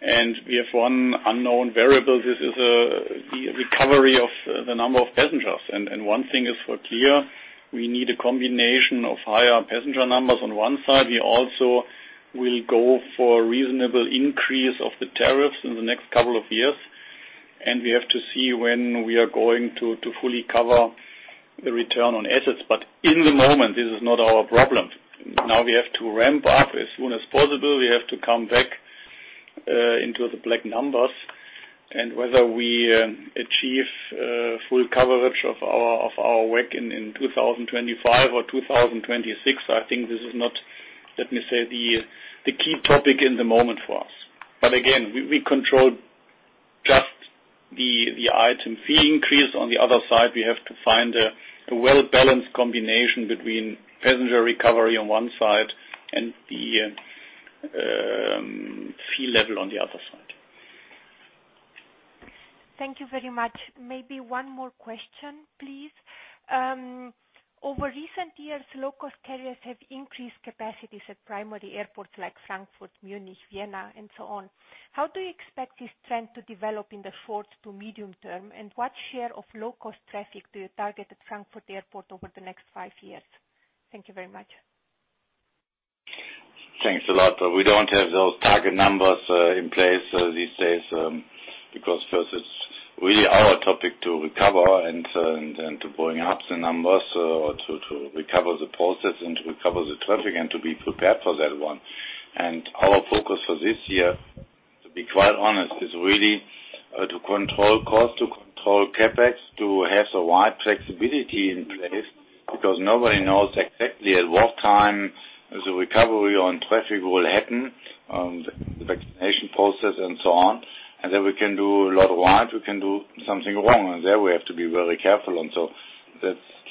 and we have one unknown variable. This is a recovery of the number of passengers. And one thing is for sure, we need a combination of higher passenger numbers on one side. We also will go for a reasonable increase of the tariffs in the next couple of years, and we have to see when we are going to fully cover the return on assets. But in the moment, this is not our problem. Now we have to ramp up as soon as possible. We have to come back into the black numbers. And whether we achieve full coverage of our WEC in 2025 or 2026, I think this is not, let me say, the key topic in the moment for us. But again, we control just the item fee increase. On the other side, we have to find a well-balanced combination between passenger recovery on one side and the fee level on the other side. Thank you very much. Maybe one more question, please. Over recent years, low-cost carriers have increased capacities at primary airports like Frankfurt, Munich, Vienna, and so on. How do you expect this trend to develop in the short to medium term, and what share of low-cost traffic do you target at Frankfurt Airport over the next five years? Thank you very much. Thanks a lot. We don't have those target numbers in place these days because first, it's really our topic to recover and to bring up the numbers or to recover the process and to recover the traffic and to be prepared for that one, and our focus for this year, to be quite honest, is really to control costs, to control CapEx, to have the right flexibility in place because nobody knows exactly at what time the recovery on traffic will happen, the vaccination process, and so on. And then we can do a lot right, we can do something wrong, and there we have to be very careful. So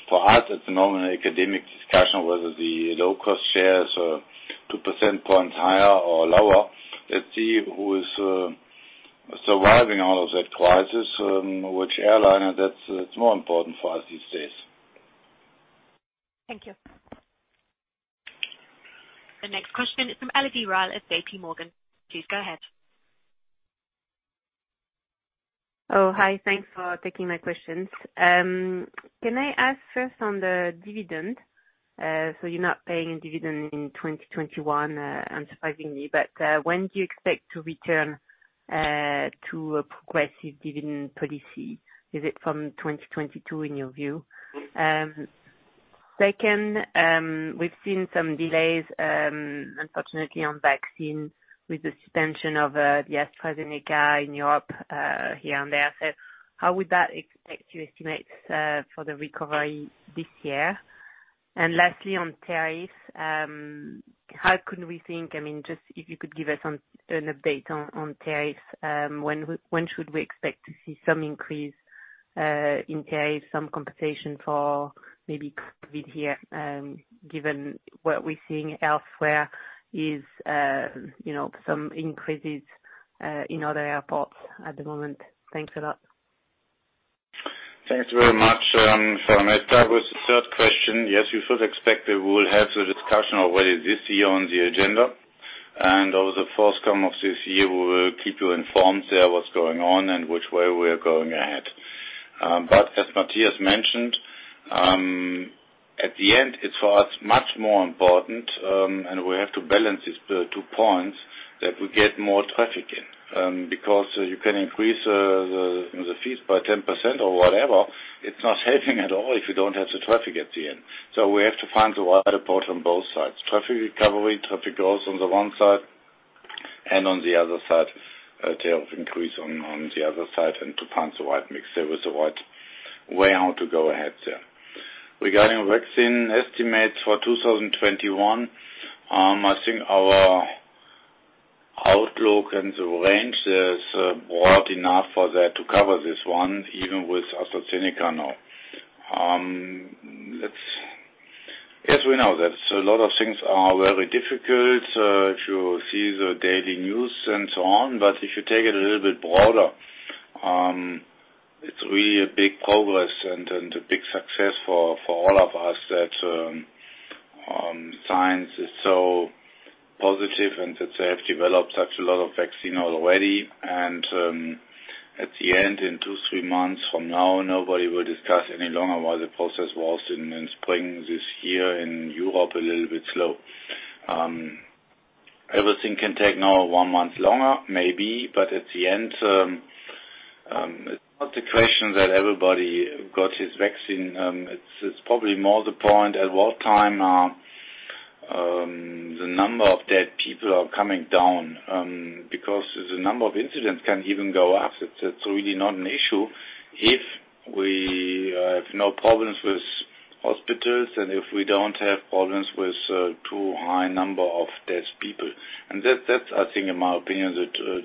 for us, it's a nominal academic discussion whether the low-cost shares are 2 percent points higher or lower. Let's see who is surviving out of that crisis, which airline. That's more important for us these days. Thank you. The next question is from Elodie Rall at JPMorgan. Please go ahead. Oh, hi. Thanks for taking my questions. Can I ask first on the dividend? So you're not paying a dividend in 2021, unsurprisingly, but when do you expect to return to a progressive dividend policy? Is it from 2022 in your view? Second, we've seen some delays, unfortunately, on vaccine with the suspension of the AstraZeneca in Europe here and there. So how would that affect your estimates for the recovery this year? And lastly, on tariffs, how can we think? I mean, just if you could give us an update on tariffs. When should we expect to see some increase in tariffs, some compensation for maybe COVID here, given what we're seeing elsewhere is some increases in other airports at the moment? Thanks a lot. Thanks very much. That was the third question. Yes, we should expect that we will have the discussion already this year on the agenda. And over the course of this year, we will keep you informed there what's going on and which way we are going ahead. But as Matthias mentioned, at the end, it's for us much more important, and we have to balance these two points that we get more traffic in because you can increase the fees by 10% or whatever. It's not helping at all if you don't have the traffic at the end. So we have to find the right approach on both sides. Traffic recovery, traffic growth on the one side, and on the other side, a tariff increase on the other side and to find the right mix there with the right way how to go ahead there. Regarding vaccine estimates for 2021, I think our outlook and the range is broad enough for that to cover this one, even with AstraZeneca now. Yes, we know that a lot of things are very difficult if you see the daily news and so on, but if you take it a little bit broader, it's really a big progress and a big success for all of us that science is so positive and that they have developed such a lot of vaccine already. And at the end, in two, three months from now, nobody will discuss any longer why the process was in spring this year in Europe a little bit slow. Everything can take now one month longer, maybe, but at the end, it's not the question that everybody got his vaccine. It's probably more the point at what time the number of dead people are coming down because the number of incidents can even go up. It's really not an issue if we have no problems with hospitals and if we don't have problems with too high number of dead people. And that's, I think, in my opinion, the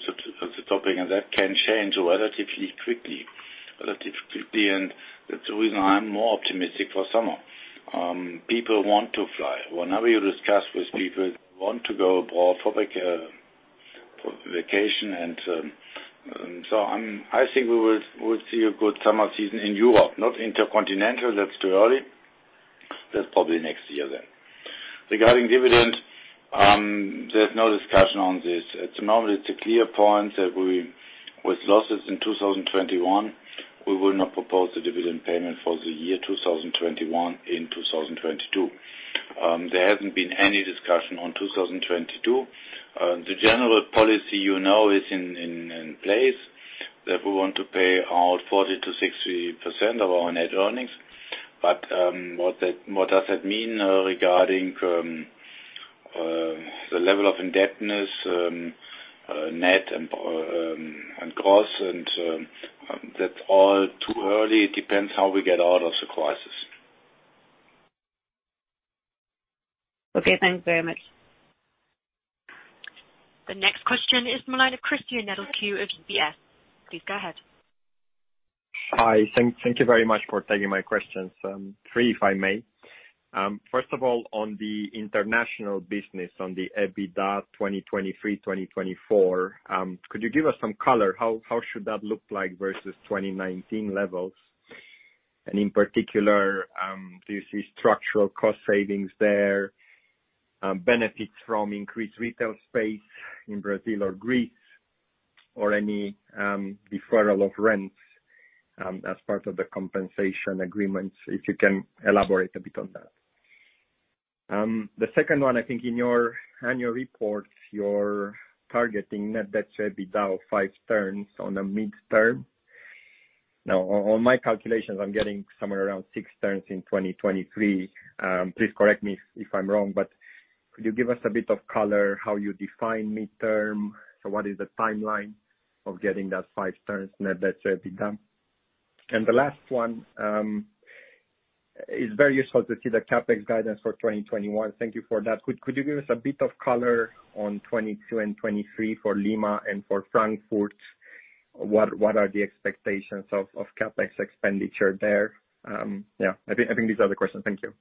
topic, and that can change relatively quickly. And that's the reason I'm more optimistic for summer. People want to fly. Whenever you discuss with people, want to go abroad for vacation. I think we will see a good summer season in Europe, not intercontinental. That's too early. That's probably next year then. Regarding dividends, there's no discussion on this. At the moment, it's a clear point that with losses in 2021, we will not propose a dividend payment for the year 2021 in 2022. There hasn't been any discussion on 2022. The general policy you know is in place that we want to pay out 40%-60% of our net earnings. But what does that mean regarding the level of indebtedness, net and gross? And that's all too early. It depends how we get out of the crisis. Okay. Thanks very much. The next question is from a line of Cristian Nedelcu of UBS. Please go ahead. Hi. Thank you very much for taking my questions. Three, if I may. First of all, on the international business, on the EBITDA 2023, 2024, could you give us some color? How should that look like versus 2019 levels? And in particular, do you see structural cost savings there, benefits from increased retail space in Brazil or Greece, or any deferral of rents as part of the compensation agreements? If you can elaborate a bit on that. The second one, I think in your annual report, you're targeting net debt to EBITDA of five turns on a midterm. Now, on my calculations, I'm getting somewhere around six turns in 2023. Please correct me if I'm wrong, but could you give us a bit of color how you define midterm? So what is the timeline of getting that five turns net debt to EBITDA? And the last one is very useful to see the CapEx guidance for 2021. Thank you for that. Could you give us a bit of color on 2022 and 2023 for Lima and for Frankfurt? What are the expectations of CapEx expenditure there? Yeah. I think these are the questions. Thank you.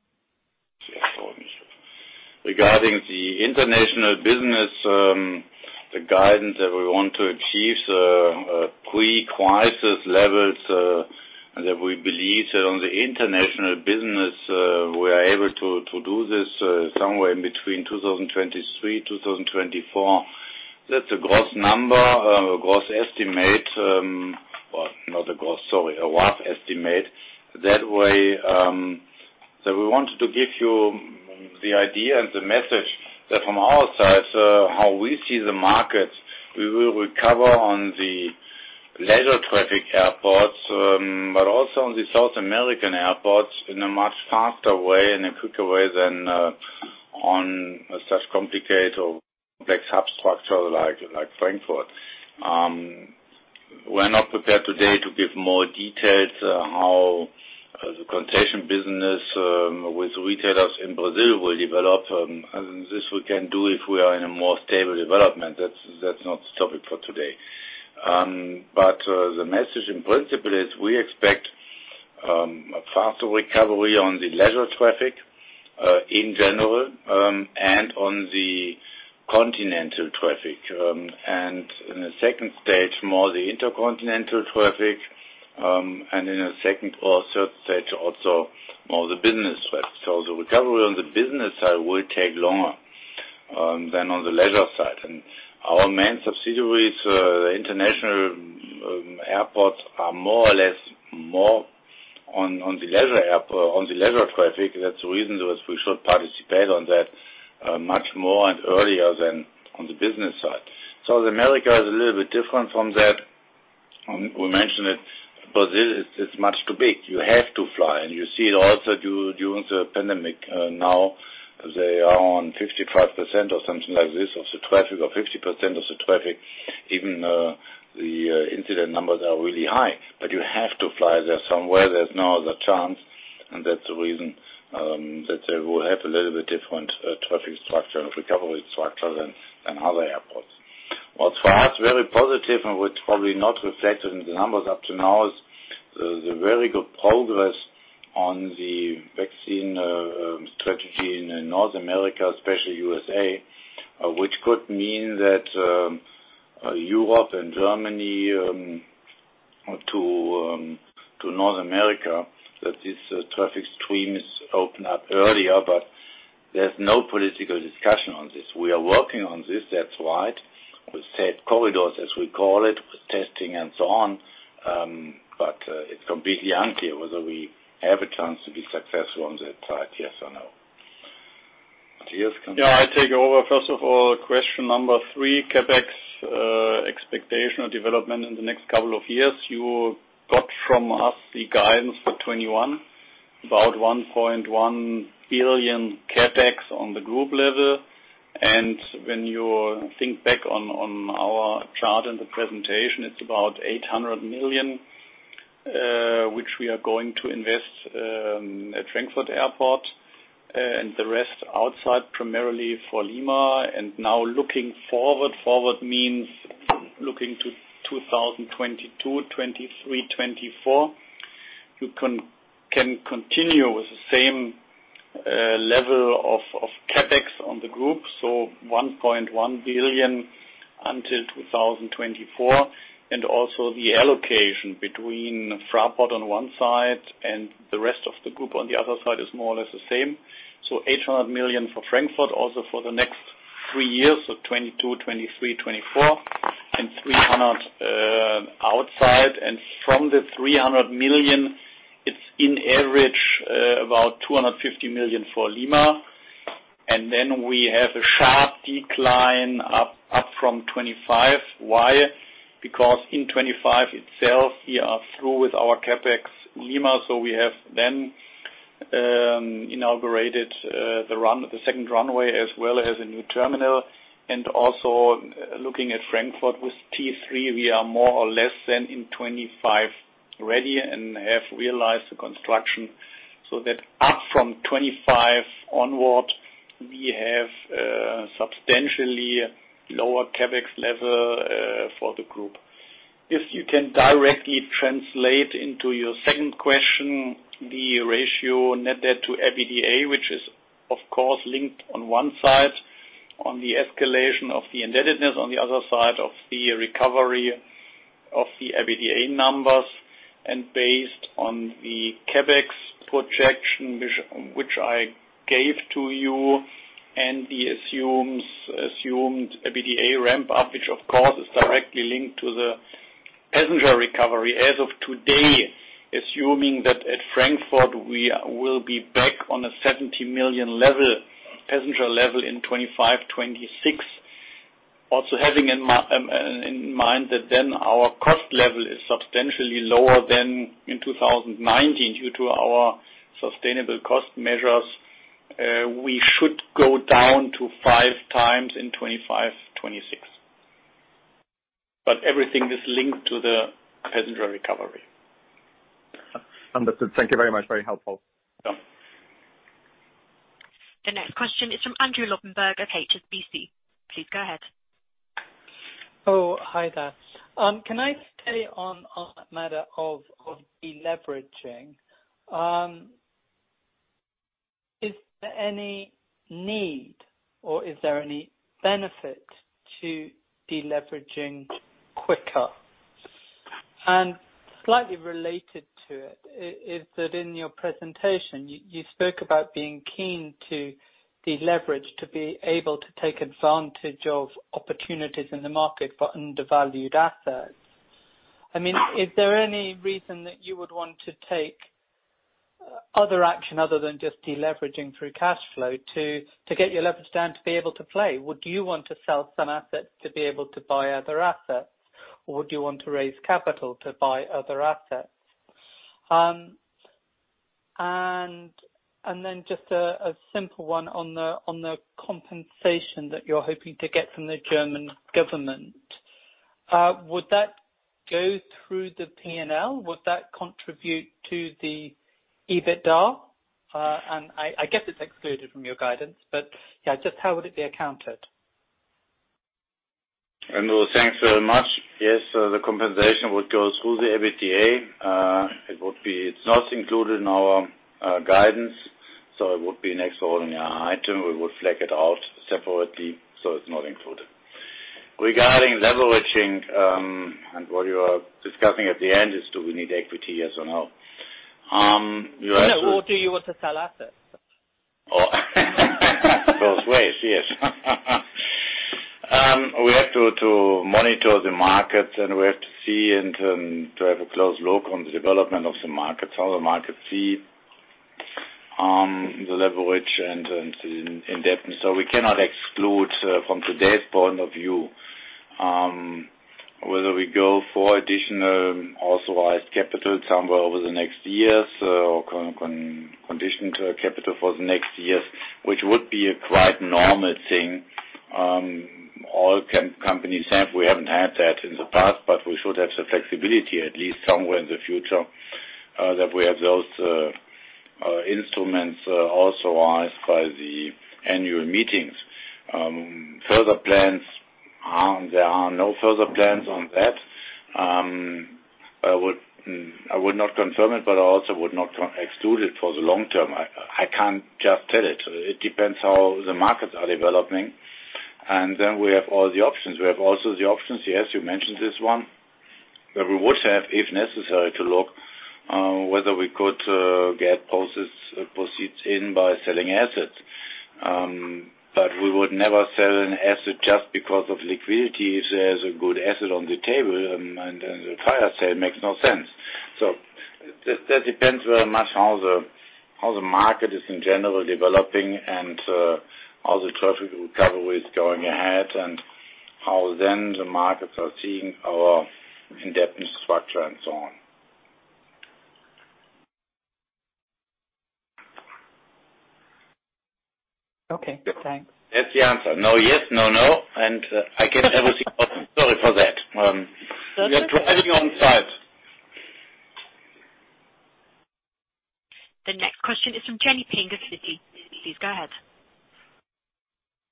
Regarding the international business, the guidance that we want to achieve, the three crisis levels that we believe that on the international business, we are able to do this somewhere in between 2023, 2024. That's a gross number, a gross estimate, well, not a gross, sorry, a rough estimate. That way, so we wanted to give you the idea and the message that from our side, how we see the markets, we will recover on the leisure traffic airports, but also on the South American airports in a much faster way and a quicker way than on such complicated or complex hub structure like Frankfurt. We're not prepared today to give more details how the concession business with retailers in Brazil will develop. This we can do if we are in a more stable development. That's not the topic for today. But the message, in principle, is we expect a faster recovery on the leisure traffic in general and on the continental traffic. And in the second stage, more the intercontinental traffic, and in the second or third stage, also more the business traffic. So the recovery on the business side will take longer than on the leisure side. And our main subsidiaries, the international airports, are more or less more on the leisure traffic. That's the reason we should participate on that much more and earlier than on the business side. South America is a little bit different from that. We mentioned that Brazil is much too big. You have to fly. You see it also during the pandemic. Now, they are on 55% or something like this of the traffic, or 50% of the traffic. Even the infection numbers are really high, but you have to fly there somewhere. There's no other chance. And that's the reason that they will have a little bit different traffic structure and recovery structure than other airports. What's for us very positive and which probably not reflected in the numbers up to now is the very good progress on the vaccine strategy in North America, especially USA, which could mean that Europe and Germany to North America, that this traffic stream is opened up earlier, but there's no political discussion on this. We are working on this. That's right. We set corridors, as we call it, with testing and so on, but it's completely unclear whether we have a chance to be successful on that side, yes or no. Matthias, come to you. Yeah. I take over. First of all, question number three, CapEx expectation and development in the next couple of years. You got from us the guidance for 2021, about 1.1 billion CapEx on the group level. And when you think back on our chart in the presentation, it's about 800 million, which we are going to invest at Frankfurt Airport and the rest outside primarily for Lima. And now looking forward, forward means looking to 2022, 2023, 2024, you can continue with the same level of CapEx on the group, so 1.1 billion until 2024. And also, the allocation between Fraport on one side and the rest of the group on the other side is more or less the same. So, 800 million for Frankfurt also for the next three years, so 2022, 2023, 2024, and 300 million outside. And from the 300 million, it's on average about 250 million for Lima. And then we have a sharp decline up from 2025. Why? Because in 2025 itself, we are through with our CapEx Lima. So we have then inaugurated the second runway as well as a new terminal. And also looking at Frankfurt with T3, we are more or less through in 2025 ready and have realized the construction. So that up from 2025 onward, we have substantially lower CapEx level for the group. If you can directly translate into your second question, the ratio net debt to EBITDA, which is, of course, linked on one side on the escalation of the indebtedness, on the other side of the recovery of the EBITDA numbers, and based on the CapEx projection, which I gave to you, and the assumed EBITDA ramp-up, which, of course, is directly linked to the passenger recovery as of today, assuming that at Frankfurt we will be back on a 70 million level, passenger level in 2025, 2026. Also having in mind that then our cost level is substantially lower than in 2019 due to our sustainable cost measures, we should go down to five times in 2025, 2026. But everything is linked to the passenger recovery. Understood. Thank you very much. Very helpful. The next question is from Andrew Lobbenberg of HSBC. Please go ahead. Oh, hi there. Can I stay on that matter of deleveraging? Is there any need or is there any benefit to deleveraging quicker? And slightly related to it is that in your presentation, you spoke about being keen to deleverage to be able to take advantage of opportunities in the market for undervalued assets. I mean, is there any reason that you would want to take other action other than just deleveraging through cash flow to get your leverage down to be able to play? Would you want to sell some assets to be able to buy other assets? Or would you want to raise capital to buy other assets? And then just a simple one on the compensation that you're hoping to get from the German government. Would that go through the P&L? Would that contribute to the EBITDA? I guess it's excluded from your guidance, but yeah, just how would it be accounted? Thanks very much. Yes. So the compensation would go through the EBITDA. It's not included in our guidance, so it would be an extraordinary item. We would flag it out separately, so it's not included. Regarding leveraging and what you are discussing at the end is do we need equity yes or no? You asked me. Or do you want to sell assets? Both ways, yes. We have to monitor the markets, and we have to see and to have a close look on the development of the markets, how the markets see the leverage and indebtedness. So we cannot exclude from today's point of view whether we go for additional authorized capital somewhere over the next years or conditioned capital for the next years, which would be a quite normal thing. All companies have. We haven't had that in the past, but we should have the flexibility at least somewhere in the future that we have those instruments authorized by the annual meetings. Further plans, there are no further plans on that. I would not confirm it, but I also would not exclude it for the long term. I can't just tell it. It depends how the markets are developing, and then we have all the options. We have also the options, yes, you mentioned this one, that we would have, if necessary, to look whether we could get proceeds in by selling assets, but we would never sell an asset just because of liquidity if there's a good asset on the table, and then the fire sale makes no sense. So that depends very much how the market is in general developing and how the traffic recovery is going ahead and how then the markets are seeing our indebtedness structure and so on. Okay. Thanks. That's the answer. No yes, no no. And I can never see options. Sorry for that. You're driving on site. The next question is from Jenny Ping, Citi. Please go ahead.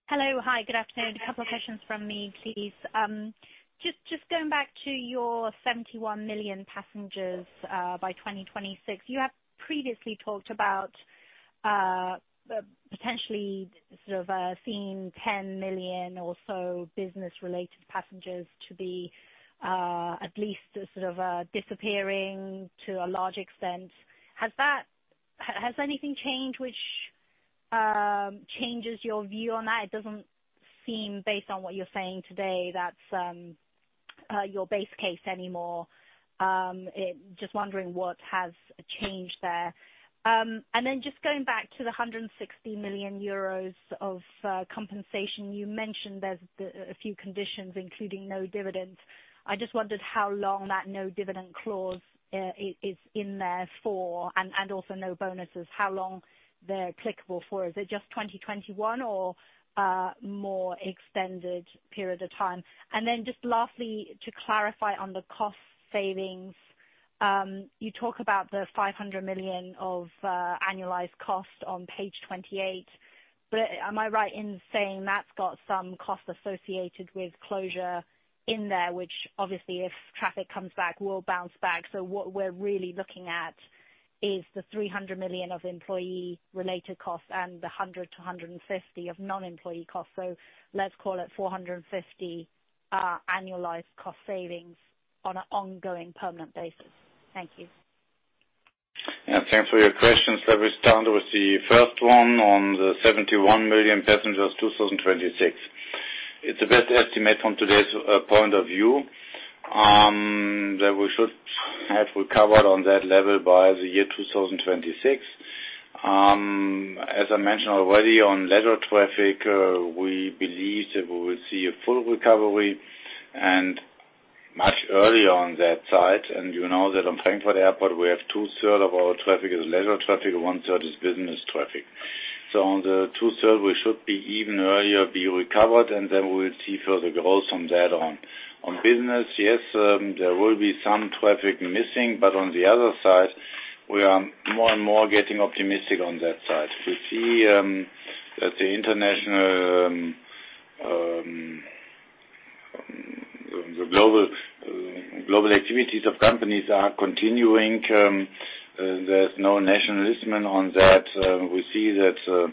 Hello. Hi. Good afternoon. A couple of questions from me, please. Just going back to your 71 million passengers by 2026, you have previously talked about potentially sort of seeing 10 million or so business-related passengers to be at least sort of disappearing to a large extent. Has anything changed which changes your view on that? It doesn't seem, based on what you're saying today, that's your base case anymore. Just wondering what has changed there. Just going back to the 160 million euros of compensation, you mentioned there's a few conditions, including no dividends. I just wondered how long that no dividend clause is in there for, and also no bonuses, how long they're applicable for. Is it just 2021 or a more extended period of time? Lastly, to clarify on the cost savings, you talk about the 500 million of annualized cost on page 28, but am I right in saying that's got some cost associated with closure in there, which obviously, if traffic comes back, will bounce back? What we're really looking at is the 300 million of employee-related costs and the 100 million-150 million of non-employee costs. Let's call it 450 million annualized cost savings on an ongoing permanent basis. Thank you. To answer your question, service standard was the first one on the 71 million passengers 2026. It's the best estimate from today's point of view that we should have recovered on that level by the year 2026. As I mentioned already, on leisure traffic, we believe that we will see a full recovery and much earlier on that side. You know that on Frankfurt Airport, we have 2/3 of our traffic is leisure traffic, 1/3 is business traffic. So on the 2/3, we should be even earlier be recovered, and then we will see further growth from there on. On business, yes, there will be some traffic missing, but on the other side, we are more and more getting optimistic on that side. We see that the international global activities of companies are continuing. There's no nationalism on that. We see that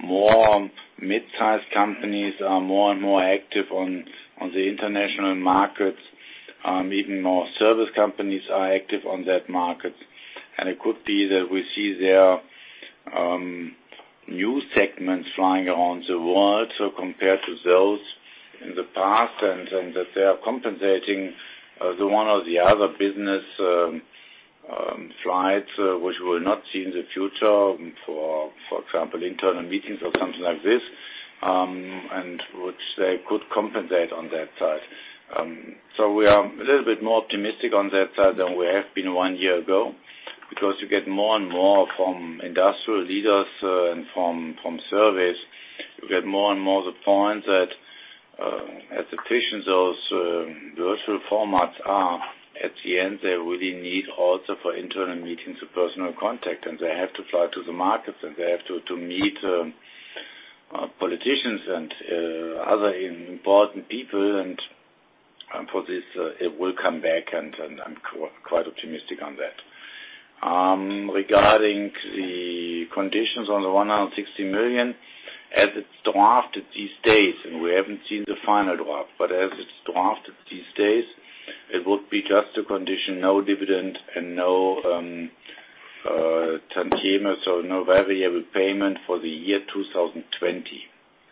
more mid-sized companies are more and more active on the international markets. Even more service companies are active on that market. And it could be that we see their new segments flying around the world compared to those in the past and that they are compensating the one or the other business flights, which we will not see in the future for example, internal meetings or something like this, and which they could compensate on that side. So we are a little bit more optimistic on that side than we have been one year ago because you get more and more from industrial leaders and from surveys. You get more and more the point that as efficient those virtual formats are, at the end, they really need also for internal meetings and personal contact, and they have to fly to the markets, and they have to meet politicians and other important people. For this, it will come back, and I'm quite optimistic on that. Regarding the conditions on the 160 million, as it's drafted these days, and we haven't seen the final draft, but as it's drafted these days, it would be just the condition, no dividend and no tantieme, so no variable payment for the year 2020.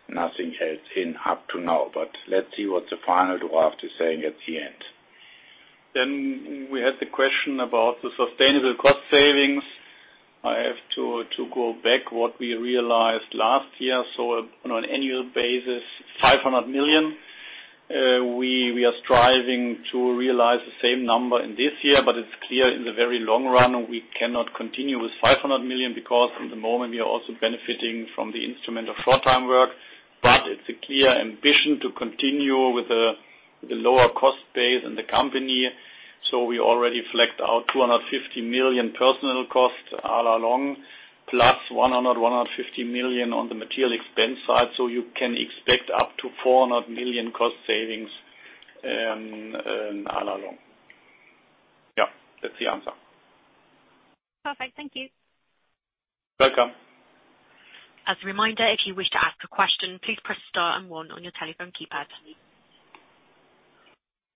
Nothing else up to now, but let's see what the final draft is saying at the end. We had the question about the sustainable cost savings. I have to go back what we realized last year. On an annual basis, 500 million. We are striving to realize the same number in this year, but it's clear in the very long run, we cannot continue with 500 million because at the moment, we are also benefiting from the instrument of short-time work. But it's a clear ambition to continue with a lower cost base in the company. So we already phased out 250 million personnel cost à la longue, plus 100 million-150 million on the material expense side. So you can expect up to 400 million cost savings à la longue. Yeah. That's the answer. Perfect. Thank you. Welcome. As a reminder, if you wish to ask a question, please press star and one on your telephone keypad.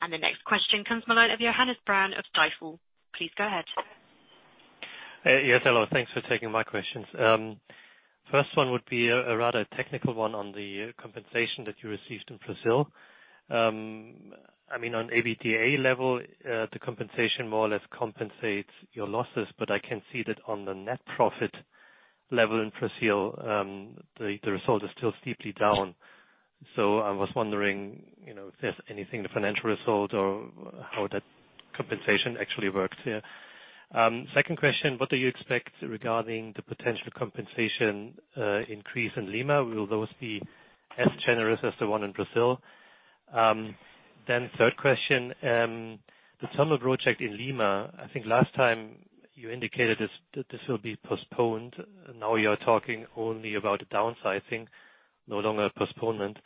And the next question comes from the line of Johannes Braun of Stifel. Please go ahead. Yes. Hello. Thanks for taking my questions. First one would be a rather technical one on the compensation that you received in Brazil. I mean, on EBITDA level, the compensation more or less compensates your losses, but I can see that on the net profit level in Brazil, the result is still steeply down. So I was wondering if there's anything in the financial result or how that compensation actually works here. Second question, what do you expect regarding the potential compensation increase in Lima? Will those be as generous as the one in Brazil? Then third question, the Terminal project in Lima, I think last time you indicated this will be postponed. Now you're talking only about the downsizing, no longer postponement.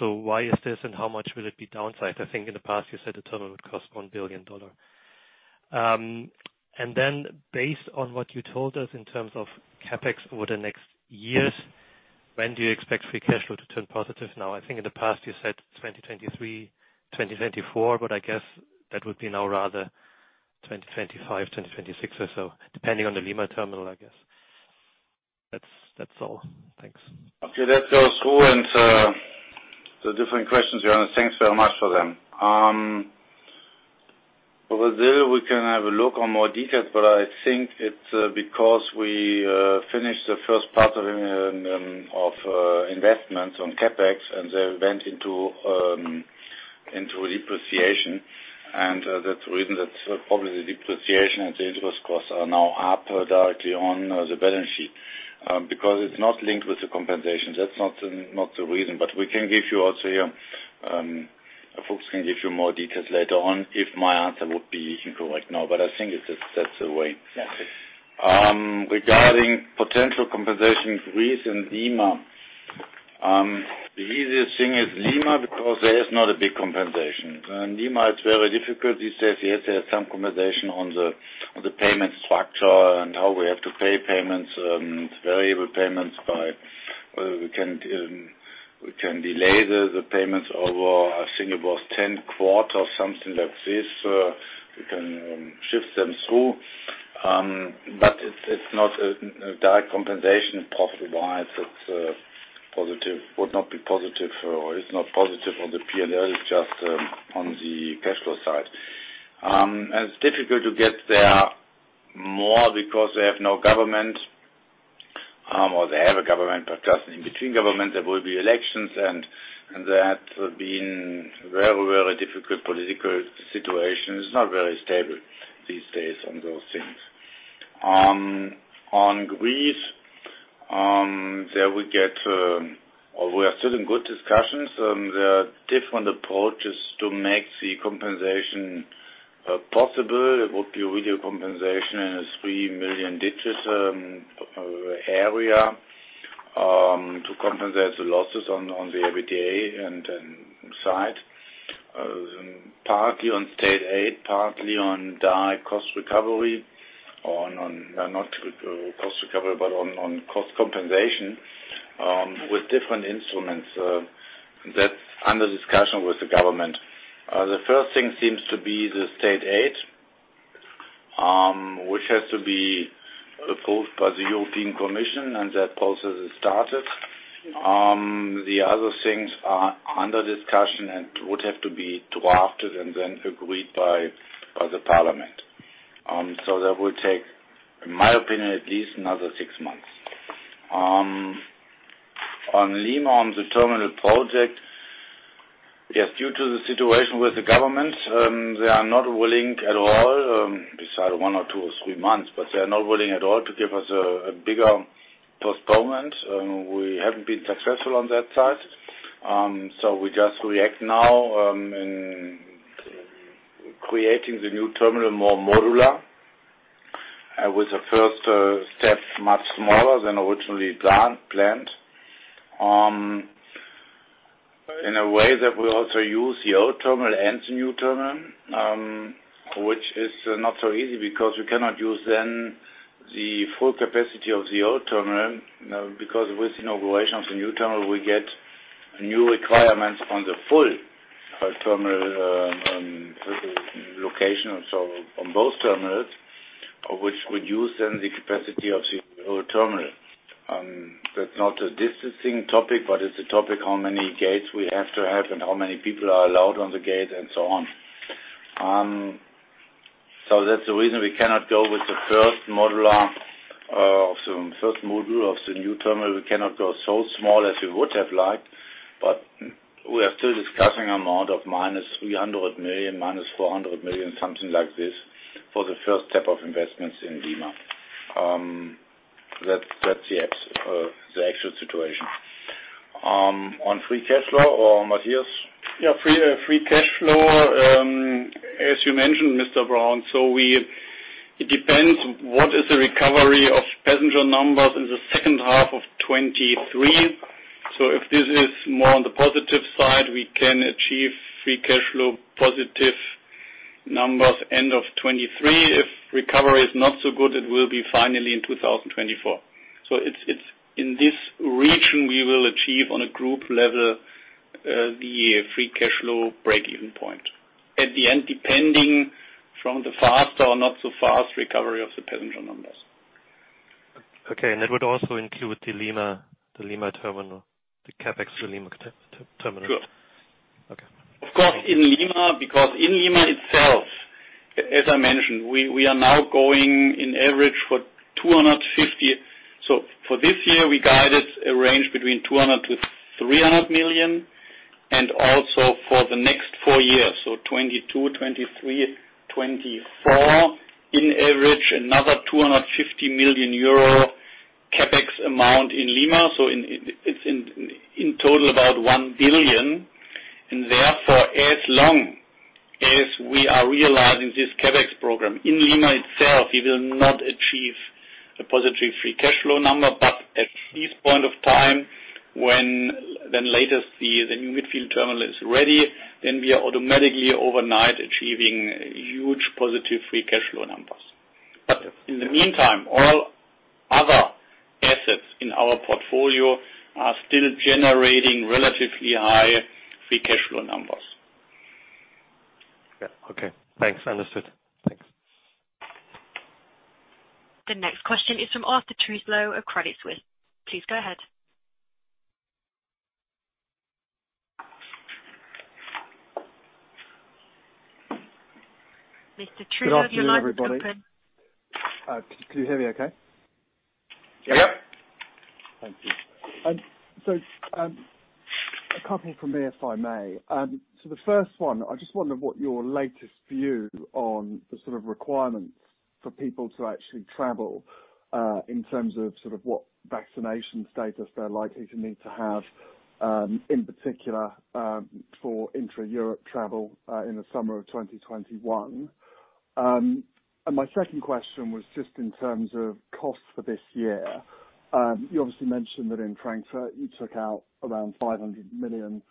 So why is this and how much will it be downsized? I think in the past, you said the Terminal would cost $1 billion. And then based on what you told us in terms of CapEx over the next years, when do you expect free cash flow to turn positive? Now, I think in the past, you said 2023, 2024, but I guess that would be now rather 2025, 2026 or so, depending on the Lima terminal, I guess. That's all. Thanks. Okay. That goes through. And the different questions, Johannes, thanks very much for them. Brazil, we can have a look on more details, but I think it's because we finished the first part of investments on CapEx, and they went into depreciation. And that's the reason that probably the depreciation and the interest costs are now up directly on the balance sheet because it's not linked with the compensation. That's not the reason, but we can give you also here. Folks can give you more details later on if my answer would be incorrect now, but I think that's the way. Regarding potential compensation increase in Lima, the easiest thing is Lima because there is not a big compensation. Lima is very difficult. You said, yes, there's some compensation on the payment structure and how we have to pay payments, variable payments by we can delay the payments over, I think it was 10 quarters, something like this. We can shift them through. But it's not a direct compensation profit-wise. It would not be positive or it's not positive on the P&L, it's just on the cash flow side. And it's difficult to get there more because they have no government or they have a government, but just in between governments, there will be elections, and that's been a very, very difficult political situation. It's not very stable these days on those things. On Greece, there we get or we are still in good discussions. There are different approaches to make the compensation possible. It would be really a compensation in a three million digit area to compensate the losses on the EBITDA side, partly on state aid, partly on direct cost recovery, or not cost recovery, but on cost compensation with different instruments. That's under discussion with the government. The first thing seems to be the state aid, which has to be approved by the European Commission, and that process is started. The other things are under discussion and would have to be drafted and then agreed by the parliament. So that will take, in my opinion, at least another six months. On Lima, on the Terminal project, yes, due to the situation with the government, they are not willing at all, besides one or two or three months, but they are not willing at all to give us a bigger postponement. We haven't been successful on that side. So we just react now in creating the new terminal more modular with a first step much smaller than originally planned in a way that we also use the old terminal and the new terminal, which is not so easy because we cannot use then the full capacity of the old terminal because with the inauguration of the new terminal, we get new requirements on the full terminal location, so on both terminals, which would use then the capacity of the old terminal. That's not a distancing topic, but it's a topic how many gates we have to have and how many people are allowed on the gate and so on. So that's the reason we cannot go with the first modular of the first module of the new terminal. We cannot go so small as we would have liked, but we are still discussing an amount of -300 million--400 million, something like this for the first step of investments in Lima. That's the actual situation. On free cash flow or Matthias? Yeah. Free cash flow, as you mentioned, Mr. Braun. So it depends what is the recovery of passenger numbers in the second half of 2023. So if this is more on the positive side, we can achieve free cash flow positive numbers end of 2023. If recovery is not so good, it will be finally in 2024. In this region, we will achieve on a group level the free cash flow break-even point at the end, depending on the fast or not so fast recovery of the passenger numbers. Okay. And that would also include the Lima terminal, the CapEx for Lima terminal. Sure. Okay. Of course, in Lima, because in Lima itself, as I mentioned, we are now going on average for 250 million. So for this year, we guided a range between 200 million-300 million and also for the next four years, so 2022, 2023, 2024, on average, another 250 million euro CapEx amount in Lima. So it's in total about 1 billion. And therefore, as long as we are realizing this CapEx program in Lima itself, we will not achieve a positive free cash flow number. But at this point of time, when then later, the new midfield terminal is ready, then we are automatically overnight achieving huge positive free cash flow numbers. But in the meantime, all other assets in our portfolio are still generating relatively high free cash flow numbers. Yeah. Okay. Thanks. Understood. Thanks. The next question is from Arthur Truslove of Credit Suisse. Please go ahead. Mr. Truslove, is your line open? Can you hear me okay? Yep. Thank you. So a couple for me, if I may. So the first one, I just wonder what your latest view on the sort of requirements for people to actually travel in terms of sort of what vaccination status they're likely to need to have in particular for intra-Europe travel in the summer of 2021. And my second question was just in terms of costs for this year. You obviously mentioned that in Frankfurt, you took out around 500 million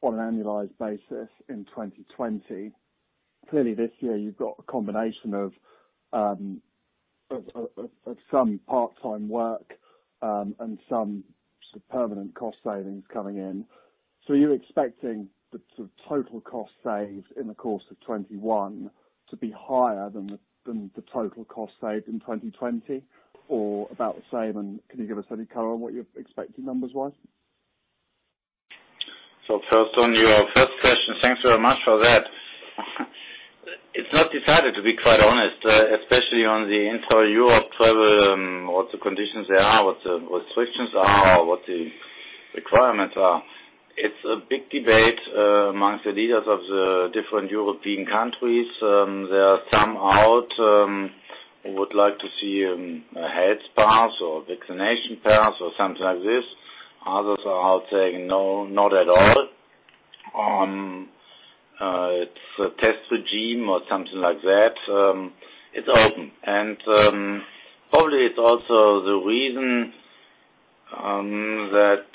on an annualized basis in 2020. Clearly, this year, you've got a combination of some part-time work and some sort of permanent cost savings coming in. So are you expecting the sort of total cost saved in the course of 2021 to be higher than the total cost saved in 2020 or about the same? And can you give us any color on what you're expecting numbers-wise? So first on your first question, thanks very much for that. It's not decided, to be quite honest, especially on the entire Europe travel, what the conditions are, what the restrictions are, what the requirements are. It's a big debate among the leaders of the different European countries. There are some who would like to see a health pass or vaccination pass or something like this. Others are out saying, "No, not at all." It's a test regime or something like that. It's open, and probably it's also the reason that,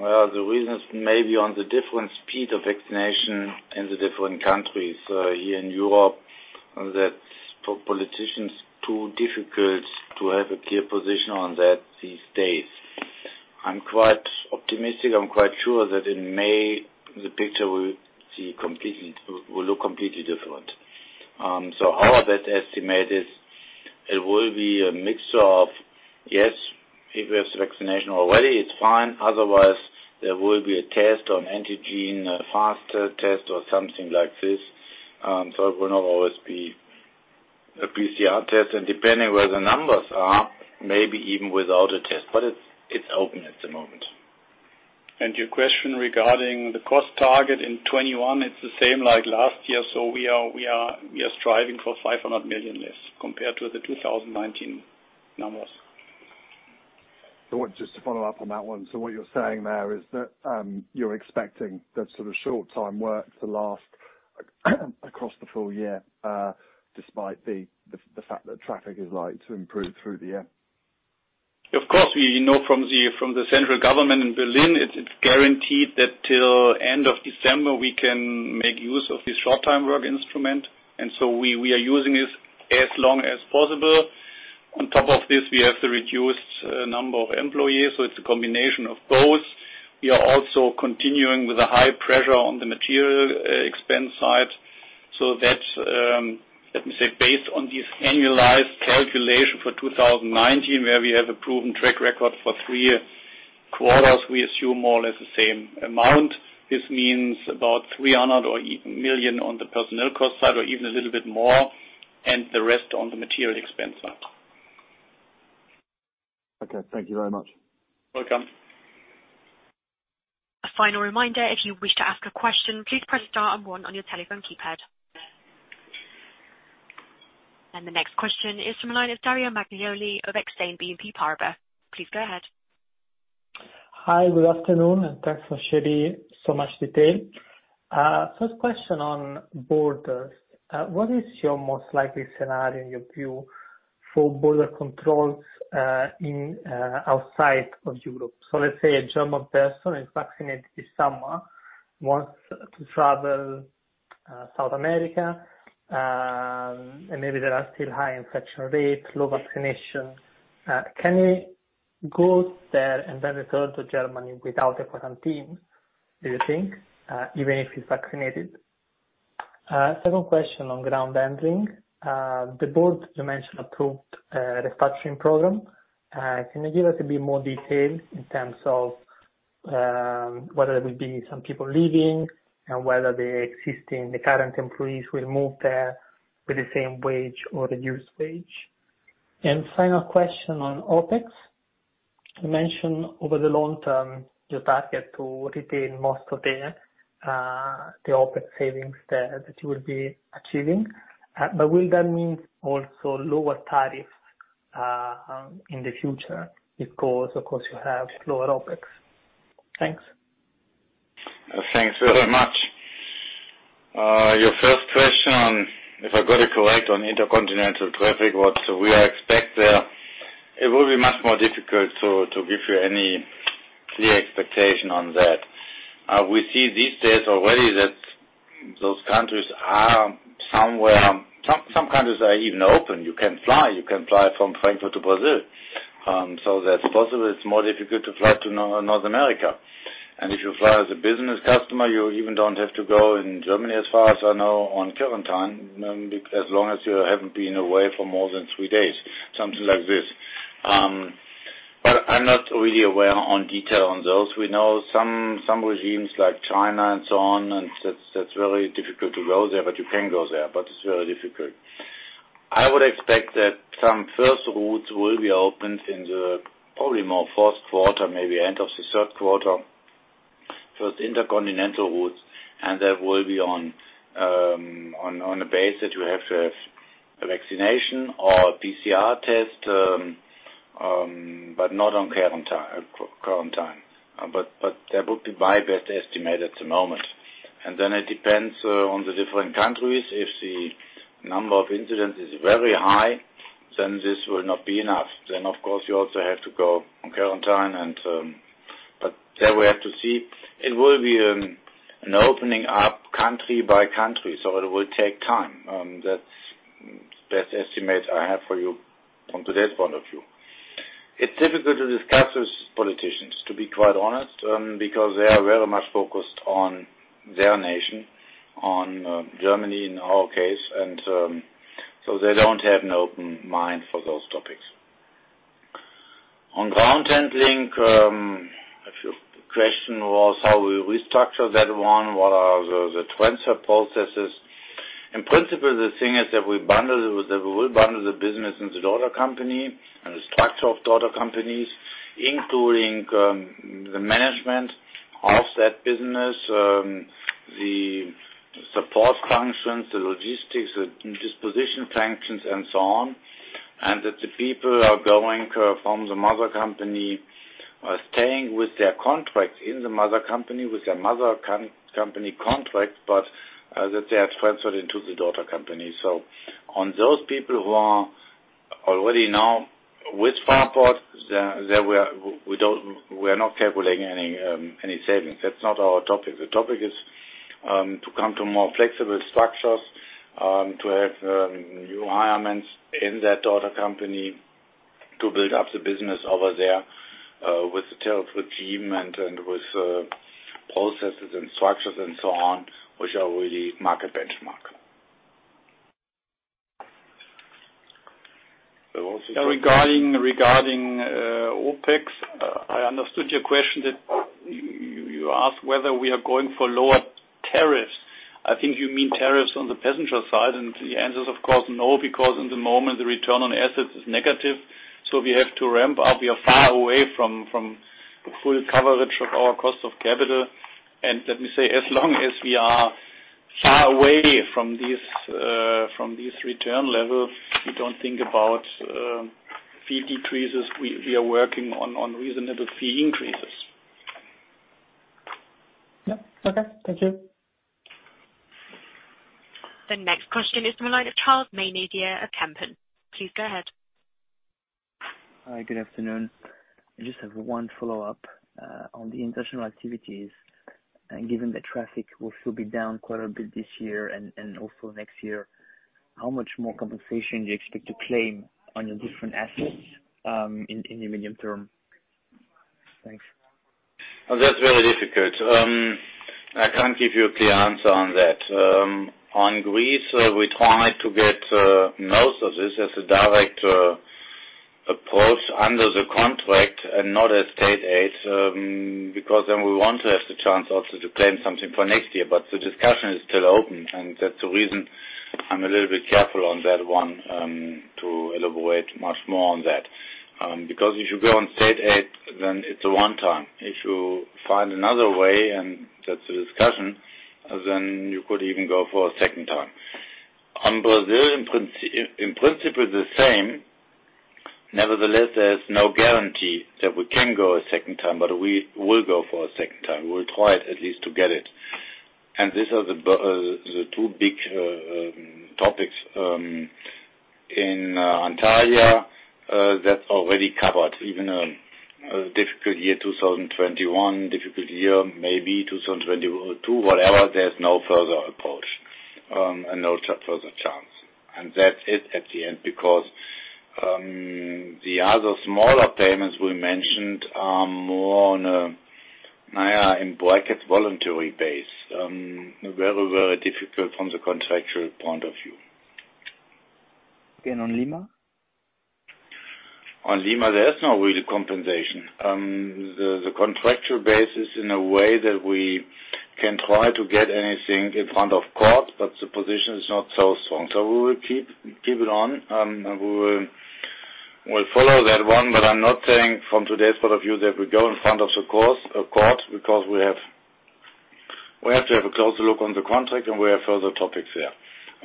well, the reason is maybe on the different speed of vaccination in the different countries here in Europe that for politicians, it's too difficult to have a clear position on that these days. I'm quite optimistic. I'm quite sure that in May, the picture will look completely different. So our best estimate is it will be a mixture of, yes, if we have the vaccination already, it's fine. Otherwise, there will be an antigen test, a fast test or something like this. So it will not always be a PCR test. And depending where the numbers are, maybe even without a test. But it's open at the moment. And your question regarding the cost target in 2021, it's the same like last year. We are striving for 500 million less compared to the 2019 numbers. Just to follow up on that one, so what you're saying there is that you're expecting that sort of short-term work to last across the full year despite the fact that traffic is likely to improve through the year. Of course, from the central government in Berlin, it's guaranteed that till end of December, we can make use of this short-term work instrument. And so we are using it as long as possible. On top of this, we have the reduced number of employees. So it's a combination of both. We are also continuing with a high pressure on the material expense side. So that, let me say, based on this annualized calculation for 2019, where we have a proven track record for three quarters, we assume more or less the same amount. This means about 300 million on the personnel cost side or even a little bit more, and the rest on the material expense side. Okay. Thank you very much. You're welcome. A final reminder, if you wish to ask a question, please press star and one on your telephone keypad. The next question is from the line of Dario Maglione of Exane BNP Paribas. Please go ahead. Hi. Good afternoon. Thanks for sharing so much detail. First question on borders. What is your most likely scenario, in your view, for border controls outside of Europe? So let's say a German person is vaccinated this summer, wants to travel South America, and maybe there are still high infection rates, low vaccination. Can he go there and then return to Germany without a quarantine, do you think, even if he's vaccinated? Second question on ground handling. The board you mentioned approved a restructuring program. Can you give us a bit more detail in terms of whether there will be some people leaving and whether the current employees will move there with the same wage or reduced wage? And final question on OpEx. You mentioned over the long term, your target to retain most of the OpEx savings that you will be achieving. But will that mean also lower tariffs in the future because, of course, you have lower OpEx? Thanks. Thanks very much. Your first question, if I got it correct, on intercontinental traffic, what we expect there. It will be much more difficult to give you any clear expectation on that. We see these days already that those countries are somewhere some countries are even open. You can fly. You can fly from Frankfurt to Brazil. So that's possible. It's more difficult to fly to North America. And if you fly as a business customer, you even don't have to go in Germany as far as I know on quarantine, as long as you haven't been away for more than three days, something like this. But I'm not really aware on detail on those. We know some regimes like China and so on, and that's very difficult to go there, but you can go there. But it's very difficult. I would expect that some first routes will be opened in the probably more fourth quarter, maybe end of the third quarter, first intercontinental routes. And that will be on a base that you have to have a vaccination or PCR test, but not on quarantine. But that would be my best estimate at the moment. And then it depends on the different countries. If the number of incidents is very high, then this will not be enough. Then, of course, you also have to go on quarantine. But then we have to see. It will be an opening up country by country. So it will take time. That's the best estimate I have for you from today's point of view. It's difficult to discuss with politicians, to be quite honest, because they are very much focused on their nation, on Germany in our case. And so they don't have an open mind for those topics. On ground handling, a few questions were also how we restructure that one, what are the transfer processes. In principle, the thing is that we will bundle the business and the daughter company and the structure of daughter companies, including the management of that business, the support functions, the logistics, the disposition functions, and so on, and that the people are going from the mother company or staying with their contract in the mother company with their mother company contract, but that they are transferred into the daughter company. So on those people who are already now with Fraport, we are not calculating any savings. That's not our topic. The topic is to come to more flexible structures, to have new hirings in that daughter company to build up the business over there with the tariff regime and with processes and structures and so on, which are really market benchmark. Regarding OpEx, I understood your question that you asked whether we are going for lower tariffs. I think you mean tariffs on the passenger side. And the answer is, of course, no, because in the moment, the return on assets is negative. So we have to ramp up. We are far away from the full coverage of our cost of capital. And let me say, as long as we are far away from these return levels, we don't think about fee decreases. We are working on reasonable fee increases. Yeah. Okay. Thank you. The next question is from the line of Charles Maynadier of Kempen. Please go ahead. Hi. Good afternoon. I just have one follow-up on the international activities. Given that traffic will still be down quite a bit this year and also next year, how much more compensation do you expect to claim on your different assets in the medium term? Thanks. That's very difficult. I can't give you a clear answer on that. On Greece, we try to get most of this as a direct approach under the contract and not as state aid because then we want to have the chance also to claim something for next year. But the discussion is still open. And that's the reason I'm a little bit careful on that one to elaborate much more on that. Because if you go on state aid, then it's a one-time. If you find another way, and that's the discussion, then you could even go for a second time. On Brazil, in principle, the same. Nevertheless, there is no guarantee that we can go a second time, but we will go for a second time. We will try at least to get it. And these are the two big topics. In Antalya, that's already covered. Even a difficult year, 2021, difficult year, maybe 2022, whatever, there's no further approach and no further chance. And that's it at the end because the other smaller payments we mentioned are more on a, in brackets, voluntary base, very, very difficult from the contractual point of view. And on Lima? On Lima, there is no real compensation. The contractual basis in a way that we can try to get anything in front of court, but the position is not so strong. So we will keep it on. We will follow that one. But I'm not saying from today's point of view that we go in front of the court because we have to have a closer look on the contract and we have further topics there.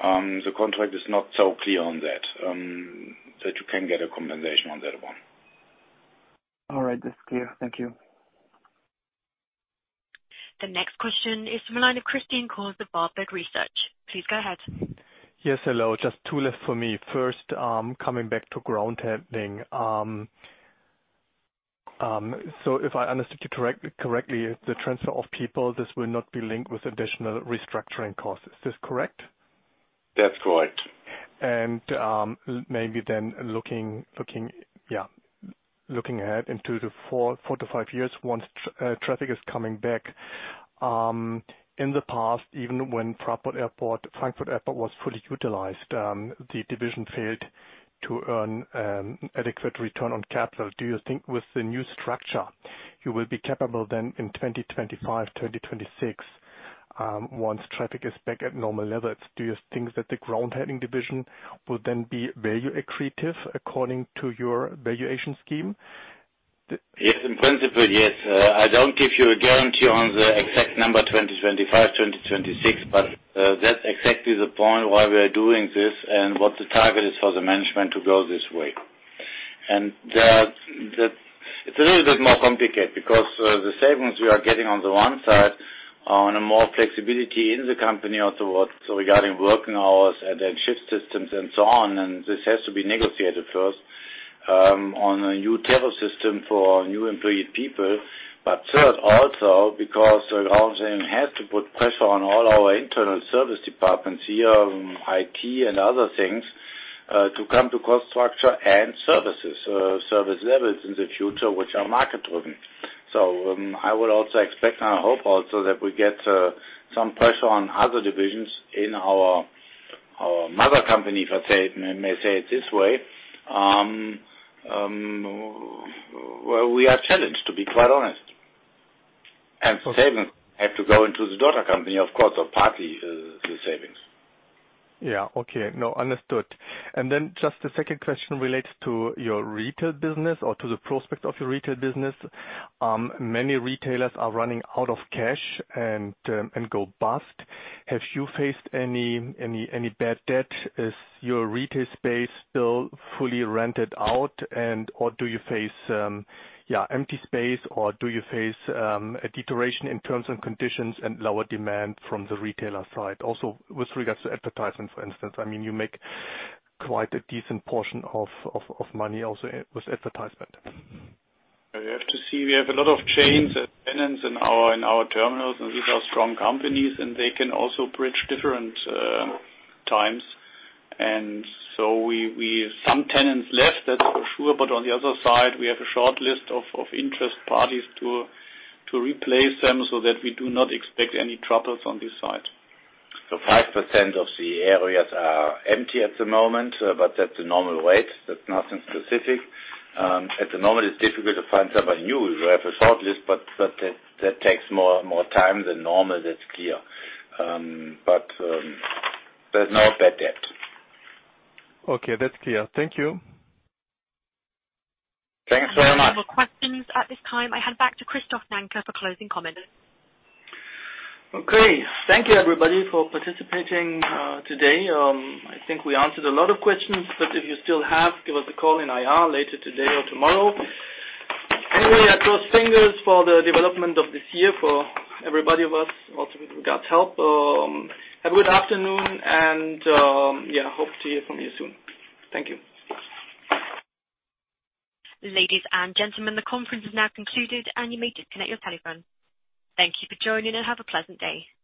The contract is not so clear on that, that you can get a compensation on that one. All right. That's clear. Thank you. The next question is from a line of Christian Cohrs of Warburg Research. Please go ahead. Yes. Hello. Just two left for me. First, coming back to ground handling. So if I understood you correctly, the transfer of people, this will not be linked with additional restructuring costs. Is this correct? That's correct. And maybe then looking ahead into the four to five years once traffic is coming back. In the past, even when Frankfurt Airport was fully utilized, the division failed to earn adequate return on capital. Do you think with the new structure, you will be capable then in 2025, 2026, once traffic is back at normal levels? Do you think that the ground handling division will then be value-accretive according to your valuation scheme? Yes. In principle, yes. I don't give you a guarantee on the exact number 2025, 2026, but that's exactly the point why we are doing this and what the target is for the management to go this way, and it's a little bit more complicated because the savings we are getting on the one side are on a more flexibility in the company regarding working hours and then shift systems and so on, and this has to be negotiated first on a new tariff system for new employee people, but third, also because ground handling has to put pressure on all our internal service departments here, IT, and other things to come to cost structure and services levels in the future, which are market-driven. So I would also expect and I hope also that we get some pressure on other divisions in our mother company, if I may say it this way, where we are challenged, to be quite honest. And savings have to go into the daughter company, of course, or partly the savings. Yeah. Okay. No, understood. And then just the second question relates to your retail business or to the prospects of your retail business. Many retailers are running out of cash and go bust. Have you faced any bad debt? Is your retail space still fully rented out? And do you face, yeah, empty space? Or do you face a deterioration in terms and conditions and lower demand from the retailer side? Also, with regards to advertisement, for instance, I mean, you make quite a decent portion of money also with advertisement. We have to see. We have a lot of chains and tenants in our terminals, and these are strong companies. They can also bridge different times, and so some tenants left, that's for sure. But on the other side, we have a short list of interested parties to replace them so that we do not expect any troubles on this side. So 5% of the areas are empty at the moment, but that's the normal rate. That's nothing specific. At the moment, it's difficult to find somebody new. We have a short list, but that takes more time than normal. That's clear. But there's no bad debt. Okay. That's clear. Thank you. Thanks very much. No more questions at this time. I hand back to Christoph Nanke for closing comments. Okay. Thank you, everybody, for participating today. I think we answered a lot of questions. But if you still have, give us a call in IR later today or tomorrow. Anyway, I cross fingers for the development of this year for everybody of us, also with regards to health. Have a good afternoon, and yeah, hope to hear from you soon. Thank you. Ladies and gentlemen, the conference has now concluded, and you may disconnect your telephone. Thank you for joining, and have a pleasant day. Goodbye.